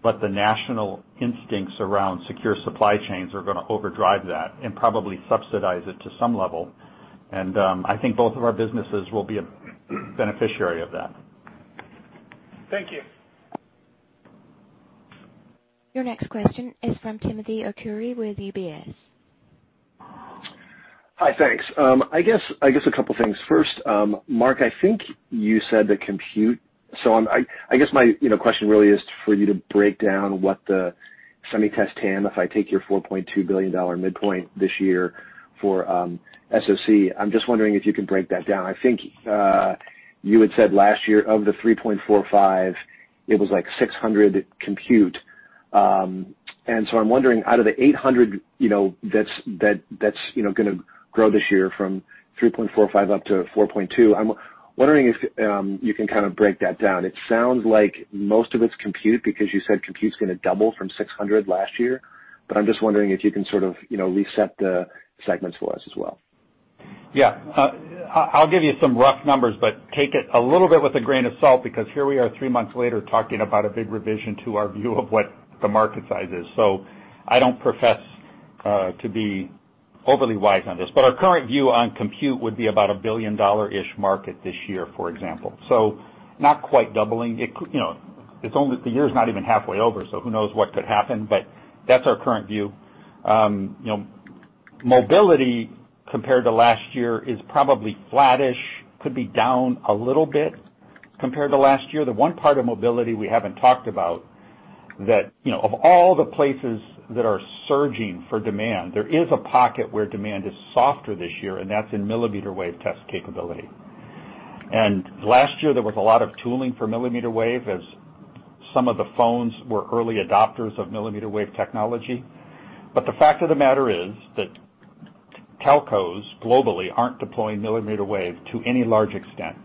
but the national instincts around secure supply chains are going to overdrive that and probably subsidize it to some level. I think both of our businesses will be a beneficiary of that. Thank you. Your next question is from Timothy Arcuri with UBS. Hi, thanks. I guess a couple of things. First, Mark, I think you said that compute. I guess my question really is for you to break down what the Semi Test TAM, if I take your $4.2 billion midpoint this year for SoC, I'm just wondering if you could break that down. I think, you had said last year of the $3.45 billion, it was like $600 million compute. I'm wondering out of the $800 million that's going to grow this year from $3.45 billion up to $4.2 billion. I'm wondering if you can kind of break that down? It sounds like most of it's compute because you said compute's going to double from $600 million last year, but I'm just wondering if you can sort of reset the segments for us as well? I'll give you some rough numbers, take it a little bit with a grain of salt, because here we are three months later talking about a big revision to our view of what the market size is. I don't profess to be overly wise on this, our current view on compute would be about $1 billion-ish market this year, for example. Not quite doubling. The year's not even halfway over, who knows what could happen, that's our current view. Mobility compared to last year is probably flattish, could be down a little bit compared to last year. The one part of mobility we haven't talked about that, of all the places that are surging for demand, there is a pocket where demand is softer this year, that's in millimeter wave test capability. Last year there was a lot of tooling for millimeter wave, as some of the phones were early adopters of millimeter wave technology. The fact of the matter is that telcos globally aren't deploying millimeter wave to any large extent.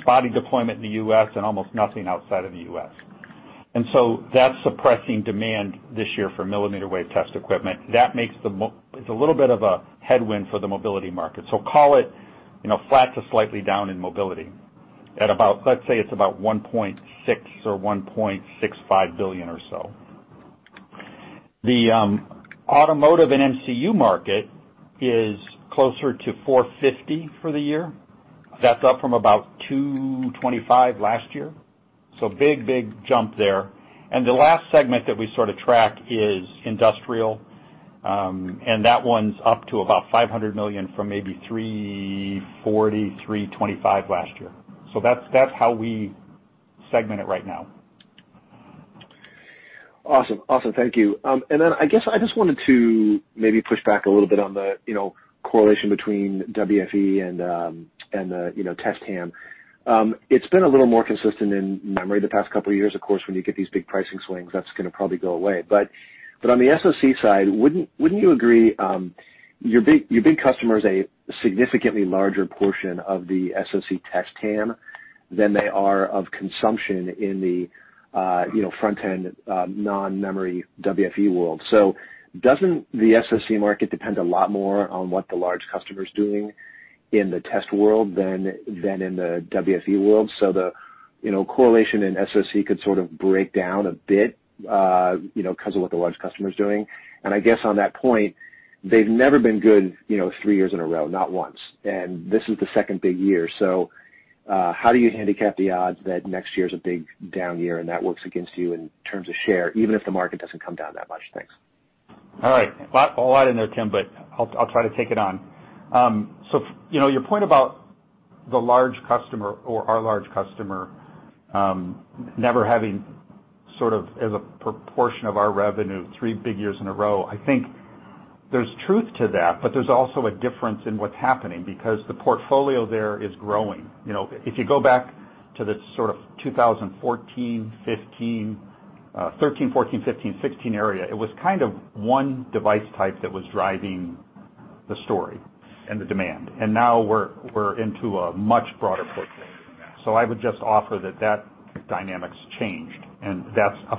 Spotty deployment in the U.S. and almost nothing outside of the U.S. That's suppressing demand this year for millimeter wave test equipment. It's a little bit of a headwind for the mobility market. Call it flat to slightly down in mobility at about, let's say it's about $1.6 billion or $1.65 billion or so. The automotive and MCU market is closer to $450 million for the year. That's up from about $225 million last year. Big jump there. The last segment that we sort of track is industrial, and that one's up to about $500 million from maybe $340 million, $325 million last year. That's how we segment it right now. Awesome. Thank you. I guess I just wanted to maybe push back a little bit on the correlation between WFE and the test TAM. It's been a little more consistent in memory the past couple of years. Of course, when you get these big pricing swings, that's going to probably go away. On the SOC side, wouldn't you agree, your big customer is a significantly larger portion of the SOC test TAM than they are of consumption in the front-end, non-memory WFE world. Doesn't the SOC market depend a lot more on what the large customer's doing in the test world than in the WFE world? The correlation in SOC could sort of break down a bit, because of what the large customer's doing. I guess on that point, they've never been good three years in a row, not once. This is the second big year. How do you handicap the odds that next year's a big down year and that works against you in terms of share, even if the market doesn't come down that much? Thanks. All right. A lot in there, Tim, but I'll try to take it on. Your point about the large customer or our large customer, never having sort of as a proportion of our revenue, three big years in a row, I think there's truth to that, but there's also a difference in what's happening because the portfolio there is growing. If you go back to the sort of 2013, 2014, 2015, 2016 area, it was kind of one device type that was driving the story and the demand. Now we're into a much broader portfolio. I would just offer that dynamic's changed, and that's a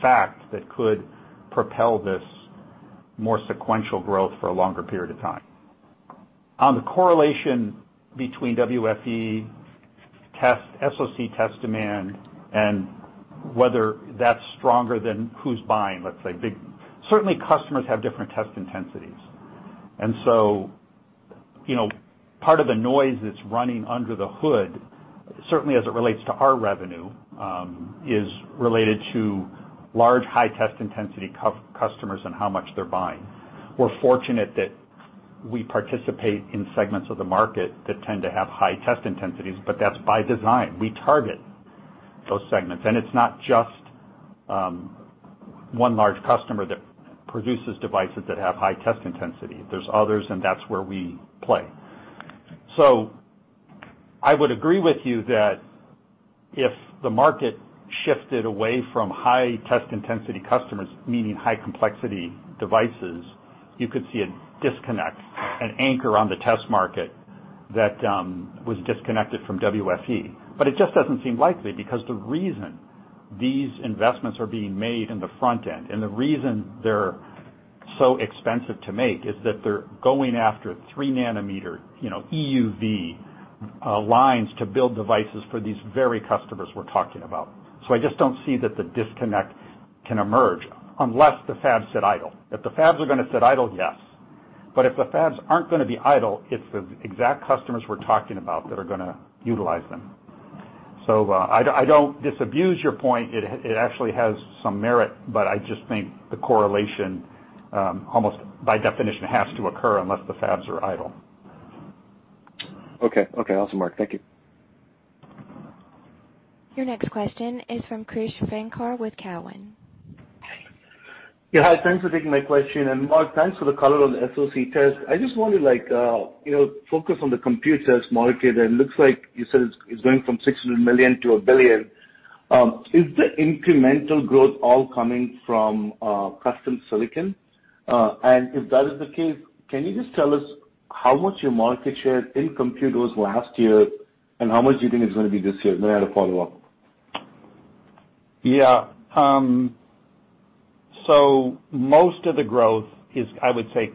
fact that could propel this more sequential growth for a longer period of time. On the correlation between WFE test, SoC test demand, and whether that's stronger than who's buying, let's say. Certainly, customers have different test intensities. Part of the noise that's running under the hood, certainly as it relates to our revenue, is related to large high test intensity customers and how much they're buying. We're fortunate that we participate in segments of the market that tend to have high test intensities, but that's by design. We target those segments. It's not just one large customer that produces devices that have high test intensity. There's others, and that's where we play. I would agree with you that if the market shifted away from high test intensity customers, meaning high complexity devices, you could see a disconnect, an anchor on the test market that was disconnected from WFE. It just doesn't seem likely because the reason these investments are being made in the front end, and the reason they're so expensive to make, is that they're going after 3 nm EUV lines to build devices for these very customers we're talking about. I just don't see that the disconnect can emerge unless the fabs sit idle. If the fabs are going to sit idle, yes. If the fabs aren't going to be idle, it's the exact customers we're talking about that are going to utilize them. I don't disabuse your point. It actually has some merit, but I just think the correlation, almost by definition, has to occur unless the fabs are idle. Okay. Awesome, Mark. Thank you. Your next question is from Krish Sankar with Cowen. Hi, thanks for taking my question. Mark, thanks for the color on the SoC test. I just want to focus on the computers market, it looks like you said it's going from $600 million to $1 billion. Is the incremental growth all coming from custom silicon? If that is the case, can you just tell us how much your market share in compute was last year, and how much do you think it's going to be this year? Then I had a follow-up. Most of the growth is, I would say,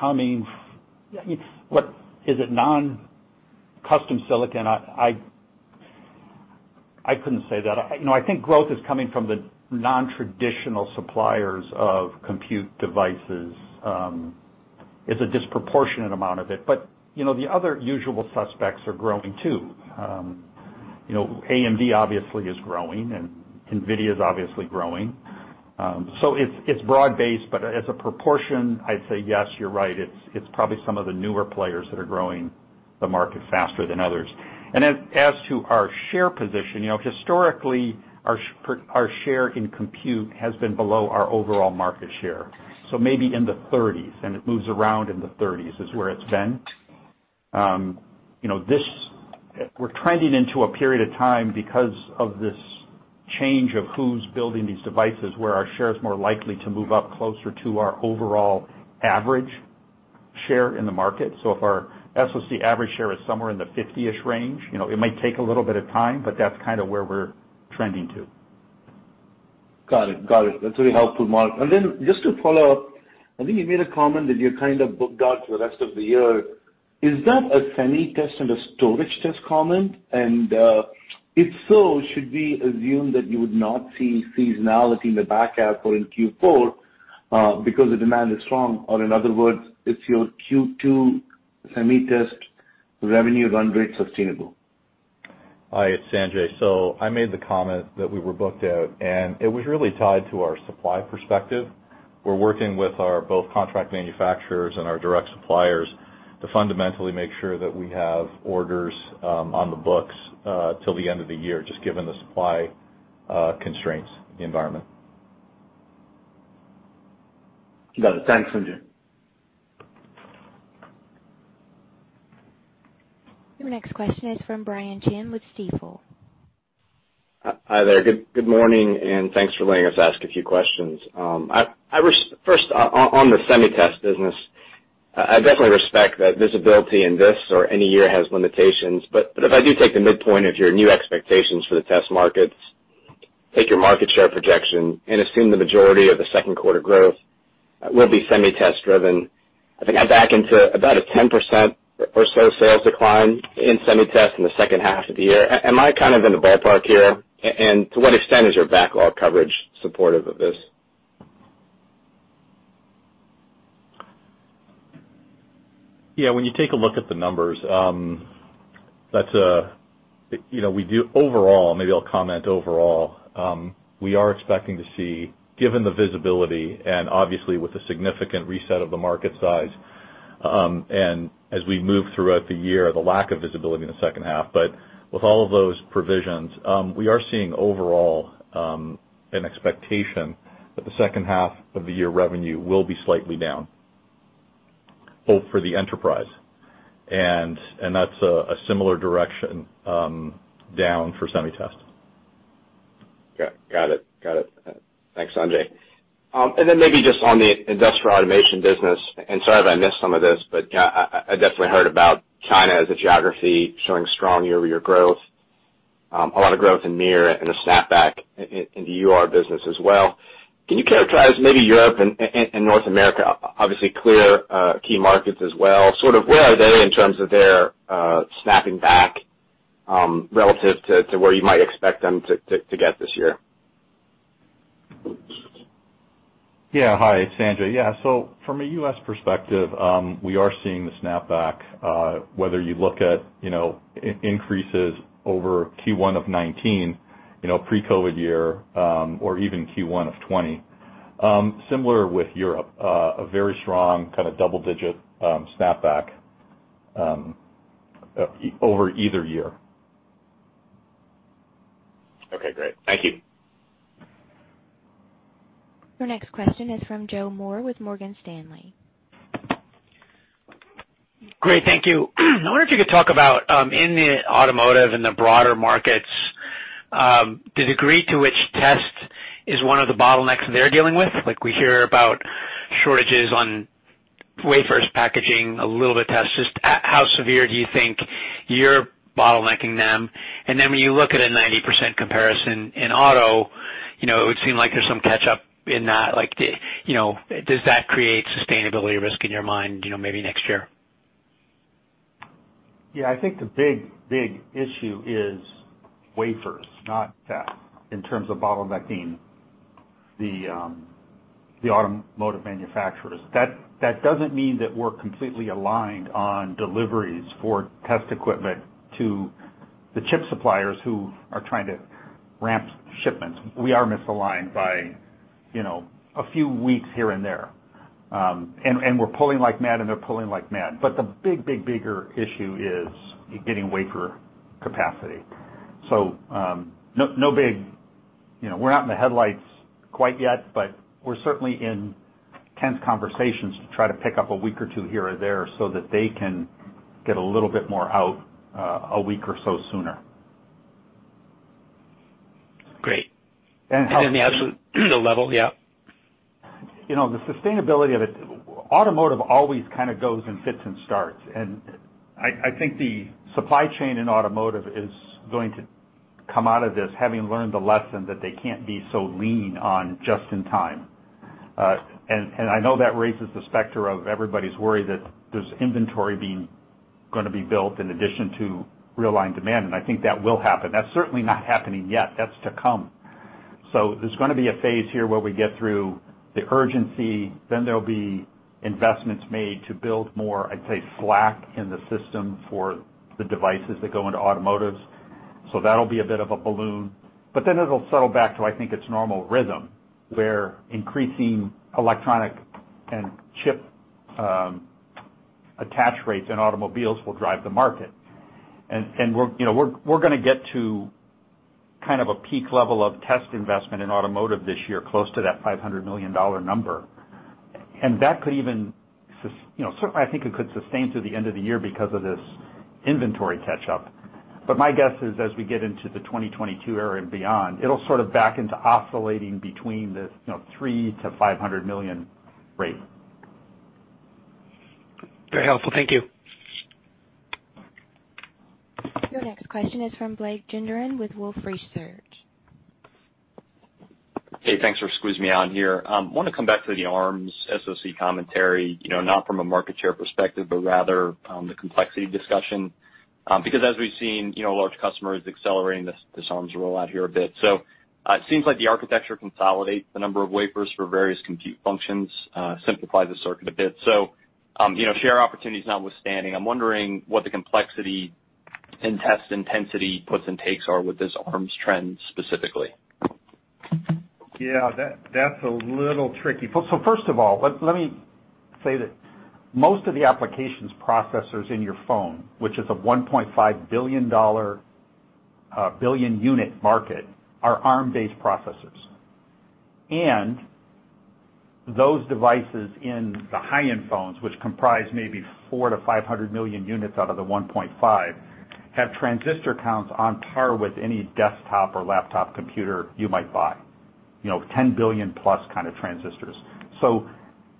coming. Is it non-custom silicon? I couldn't say that. I think growth is coming from the non-traditional suppliers of compute devices. It's a disproportionate amount of it, but the other usual suspects are growing, too. AMD obviously is growing, and NVIDIA's obviously growing. It's broad-based, but as a proportion, I'd say yes, you're right. It's probably some of the newer players that are growing the market faster than others. As to our share position, historically, our share in compute has been below our overall market share. Maybe in the 30s, and it moves around in the 30s, is where it's been. We're trending into a period of time because of this change of who's building these devices, where our share is more likely to move up closer to our overall average share in the market. If our SoC average share is somewhere in the 50-ish range, it might take a little bit of time, but that's kind of where we're trending to. Got it. That's really helpful, Mark. Just to follow up, I think you made a comment that you're kind of booked out for the rest of the year. Is that a Semi Test and a storage test comment? If so, should we assume that you would not see seasonality in the back half or in Q4 because the demand is strong? In other words, is your Q2 Semi Test revenue run rate sustainable? Hi, it's Sanjay. I made the comment that we were booked out, it was really tied to our supply perspective. We're working with our both contract manufacturers and our direct suppliers to fundamentally make sure that we have orders on the books, till the end of the year, just given the supply constraints environment. Got it. Thanks, Sanjay. Your next question is from Brian Chin with Stifel. Hi there. Good morning, and thanks for letting us ask a few questions. First on the Semi Test business. I definitely respect that visibility in this or any year has limitations, but if I do take the midpoint of your new expectations for the test markets, take your market share projection, and assume the majority of the second quarter growth will be Semi Test driven, I think I back into about a 10% or so sales decline in Semi Test in the second half of the year. Am I kind of in the ballpark here? To what extent is your backlog coverage supportive of this? Yeah, when you take a look at the numbers, maybe I'll comment overall. We are expecting to see, given the visibility and obviously with the significant reset of the market size, and as we move throughout the year, the lack of visibility in the second half. But with all of those provisions, we are seeing overall, an expectation that the second half of the year revenue will be slightly down, both for the enterprise, and that's a similar direction, down for Semi Test. Okay. Got it. Thanks, Sanjay. Maybe just on the Industrial Automation business, sorry if I missed some of this, but I definitely heard about China as a geography showing strong year-over-year growth, a lot of growth in MiR, and a snapback in the UR business as well. Can you characterize maybe Europe and North America, obviously clear key markets as well, sort of where are they in terms of their snapping back, relative to where you might expect them to get this year? Yeah. Hi, it's Sanjay. From a U.S. perspective, we are seeing the snapback, whether you look at increases over Q1 2019, pre-COVID year, or even Q1 2020. Similar with Europe, a very strong kind of double-digit snapback over either year. Okay, great. Thank you. Your next question is from Joseph Moore with Morgan Stanley. Great. Thank you. I wonder if you could talk about, in the automotive and the broader markets, the degree to which test is one of the bottlenecks they're dealing with. We hear about shortages on wafers packaging, a little bit of test. Just how severe do you think you're bottlenecking them? When you look at a 90% comparison in auto, it would seem like there's some catch up in that. Does that create sustainability risk in your mind maybe next year? Yeah, I think the big issue is wafers, not that in terms of bottlenecking the automotive manufacturers. That doesn't mean that we're completely aligned on deliveries for test equipment to the chip suppliers who are trying to ramp shipments. We are misaligned by a few weeks here and there. We're pulling like mad, and they're pulling like mad, but the bigger issue is getting wafer capacity. We're not in the headlights quite yet, but we're certainly in tense conversations to try to pick up a week or two here or there so that they can get a little bit more out, a week or so sooner. Great. The absolute level, yeah. The sustainability of it, automotive always kind of goes in fits and starts, and I think the supply chain in automotive is going to come out of this having learned the lesson that they can't be so lean on just in time. I know that raises the specter of everybody's worry that there's inventory going to be built in addition to realigned demand, and I think that will happen. That's certainly not happening yet. That's to come. There's going to be a phase here where we get through the urgency, then there'll be investments made to build more, I'd say, slack in the system for the devices that go into automotives. Then it'll settle back to, I think, its normal rhythm, where increasing electronic and chip attach rates in automobiles will drive the market. We're going to get to kind of a peak level of test investment in automotive this year, close to that $500 million number. That could even, certainly, I think it could sustain to the end of the year because of this inventory catch-up. My guess is, as we get into the 2022 era and beyond, it'll sort of back into oscillating between this $300 million-$500 million rate. Very helpful. Thank you. Your next question is from Blake Gendron with Wolfe Research. Hey, thanks for squeezing me on here. I want to come back to the Arm SoC commentary, not from a market share perspective, but rather on the complexity discussion. As we've seen, large customers accelerating this Arm rollout here a bit. It seems like the architecture consolidates the number of wafers for various compute functions, simplifies the circuit a bit. Share opportunities notwithstanding, I'm wondering what the complexity and test intensity puts and takes are with this Arm trend specifically. Yeah, that's a little tricky. First of all, let me say that most of the applications processors in your phone, which is a $1.5 billion unit market, are Arm-based processors. Those devices in the high-end phones, which comprise maybe 400 million-500 million units out of the 1.5, have transistor counts on par with any desktop or laptop computer you might buy. 10 billion+ kind of transistors.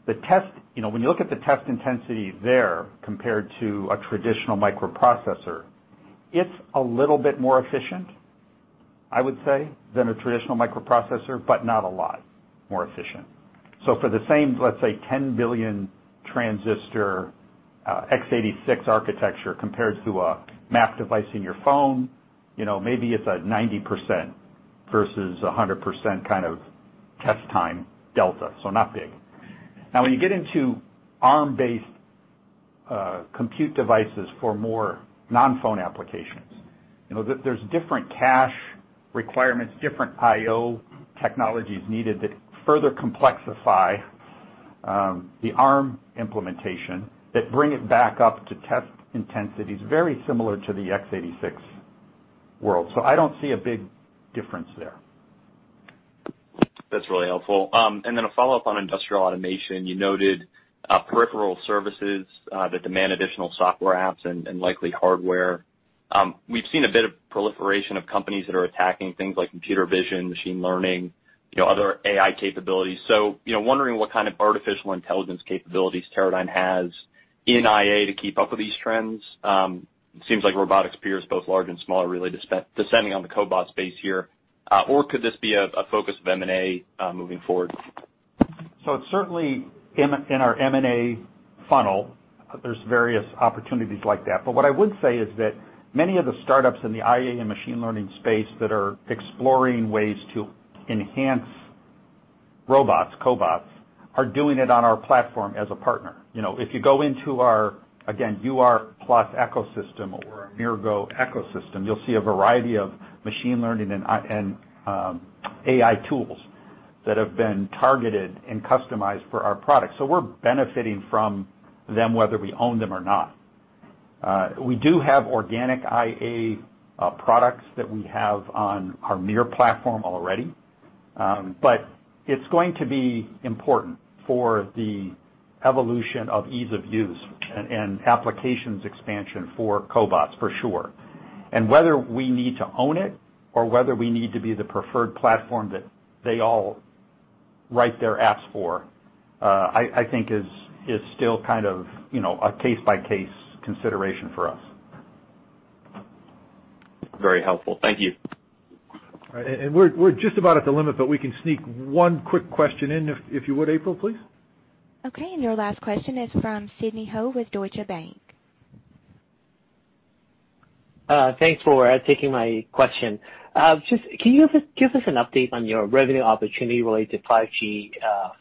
When you look at the test intensity there, compared to a traditional microprocessor, it's a little bit more efficient, I would say, than a traditional microprocessor, but not a lot more efficient. For the same, let's say, 10 billion-transistor, x86 architecture compared to a AP device in your phone, maybe it's a 90% versus 100% kind of test time delta, so nothing. When you get into Arm-based compute devices for more non-phone applications, there's different cache requirements, different IO technologies needed that further complexify the Arm implementation that bring it back up to test intensities very similar to the x86 world. I don't see a big difference there. That's really helpful. A follow-up on Industrial Automation. You noted peripheral services that demand additional software apps and likely hardware. We've seen a bit of proliferation of companies that are attacking things like computer vision, machine learning, other AI capabilities. Wondering what kind of artificial intelligence capabilities Teradyne has in IA to keep up with these trends. It seems like robotics peers, both large and small, are really descending on the cobot space here. Could this be a focus of M&A moving forward? It's certainly in our M&A funnel. There's various opportunities like that. What I would say is that many of the startups in the IA and machine learning space that are exploring ways to enhance robots, cobots, are doing it on our platform as a partner. If you go into our, again, UR+ ecosystem or our MiRGo ecosystem, you'll see a variety of machine learning and AI tools that have been targeted and customized for our product. We're benefiting from them whether we own them or not. We do have organic IA products that we have on our MiR platform already. It's going to be important for the evolution of ease of use and applications expansion for cobots, for sure. Whether we need to own it or whether we need to be the preferred platform that they all write their apps for, I think is still kind of a case-by-case consideration for us. Very helpful. Thank you. All right. We're just about at the limit, but we can sneak one quick question in, if you would, April, please. Okay. Your last question is from Sidney Ho with Deutsche Bank. Thanks for taking my question. Can you give us an update on your revenue opportunity related to 5G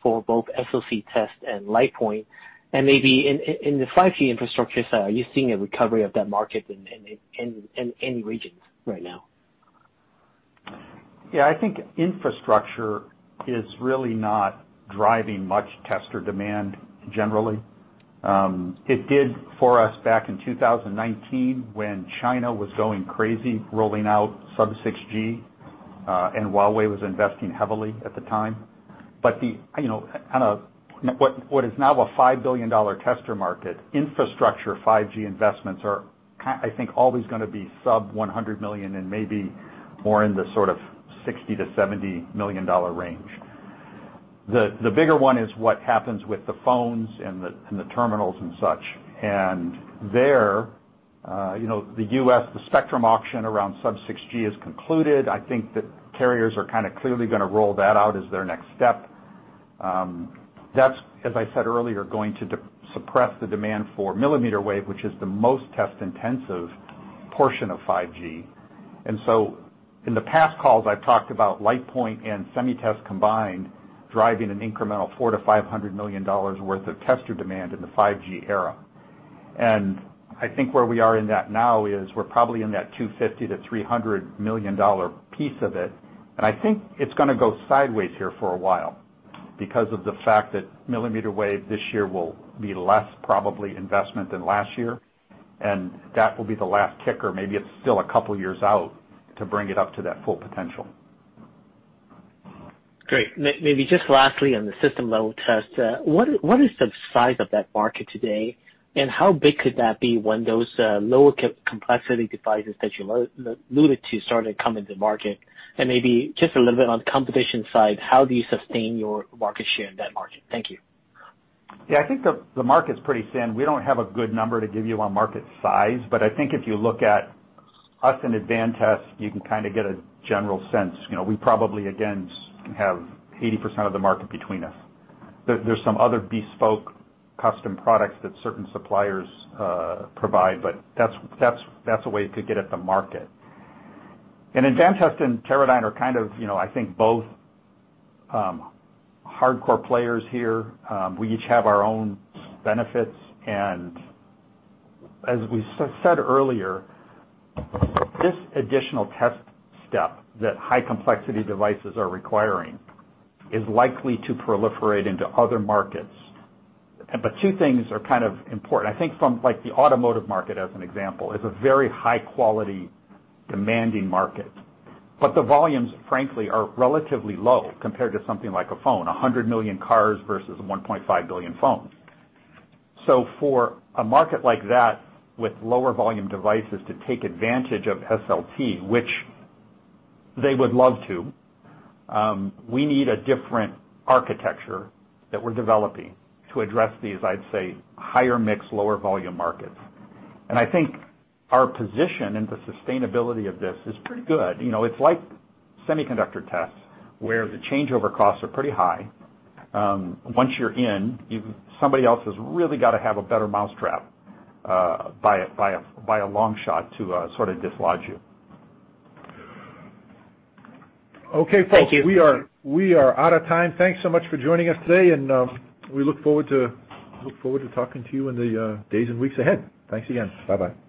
for both SoC test and LitePoint? Maybe in the 5G infrastructure side, are you seeing a recovery of that market in any regions right now? Yeah, I think infrastructure is really not driving much tester demand generally. It did for us back in 2019 when China was going crazy rolling out sub-6 GHz. Huawei was investing heavily at the time. What is now a $5 billion tester market, infrastructure 5G investments are, I think, always going to be sub-$100 million and maybe more in the sort of $60 million-$70 million range. The bigger one is what happens with the phones and the terminals and such. There, the U.S., the spectrum auction around sub-6 GHz has concluded. I think that carriers are kind of clearly going to roll that out as their next step. That's, as I said earlier, going to suppress the demand for millimeter wave, which is the most test-intensive portion of 5G. In the past calls, I've talked about LitePoint and Semi Test combined driving an incremental $400 million-$500 million worth of tester demand in the 5G era. I think where we are in that now is we're probably in that $250 million-$300 million piece of it. I think it's going to go sideways here for a while because of the fact that millimeter wave this year will be less probably investment than last year, and that will be the last kicker. Maybe it's still a couple of years out to bring it up to that full potential. Great. Maybe just lastly on the system level test, what is the size of that market today, and how big could that be when those lower complexity devices that you alluded to start to come into market? Maybe just a little bit on the competition side, how do you sustain your market share in that market? Thank you. Yeah. I think the market's pretty thin. We don't have a good number to give you on market size, but I think if you look at us and Advantest, you can kind of get a general sense. We probably, again, have 80% of the market between us. There's some other bespoke custom products that certain suppliers provide, but that's a way to get at the market. Advantest and Teradyne are kind of I think both hardcore players here. We each have our own benefits, and as we said earlier, this additional test step that high-complexity devices are requiring is likely to proliferate into other markets. Two things are kind of important. I think from the automotive market as an example, it's a very high-quality, demanding market, but the volumes, frankly, are relatively low compared to something like a phone, 100 million cars versus 1.5 billion phones. For a market like that with lower volume devices to take advantage of SLT, which they would love to, we need a different architecture that we're developing to address these, I'd say, higher mix, lower volume markets. I think our position and the sustainability of this is pretty good. It's like semiconductor tests, where the changeover costs are pretty high. Once you're in, somebody else has really got to have a better mousetrap by a long shot to sort of dislodge you. Thank you. Okay, folks. We are out of time. Thanks so much for joining us today, and we look forward to talking to you in the days and weeks ahead. Thanks again. Bye-bye.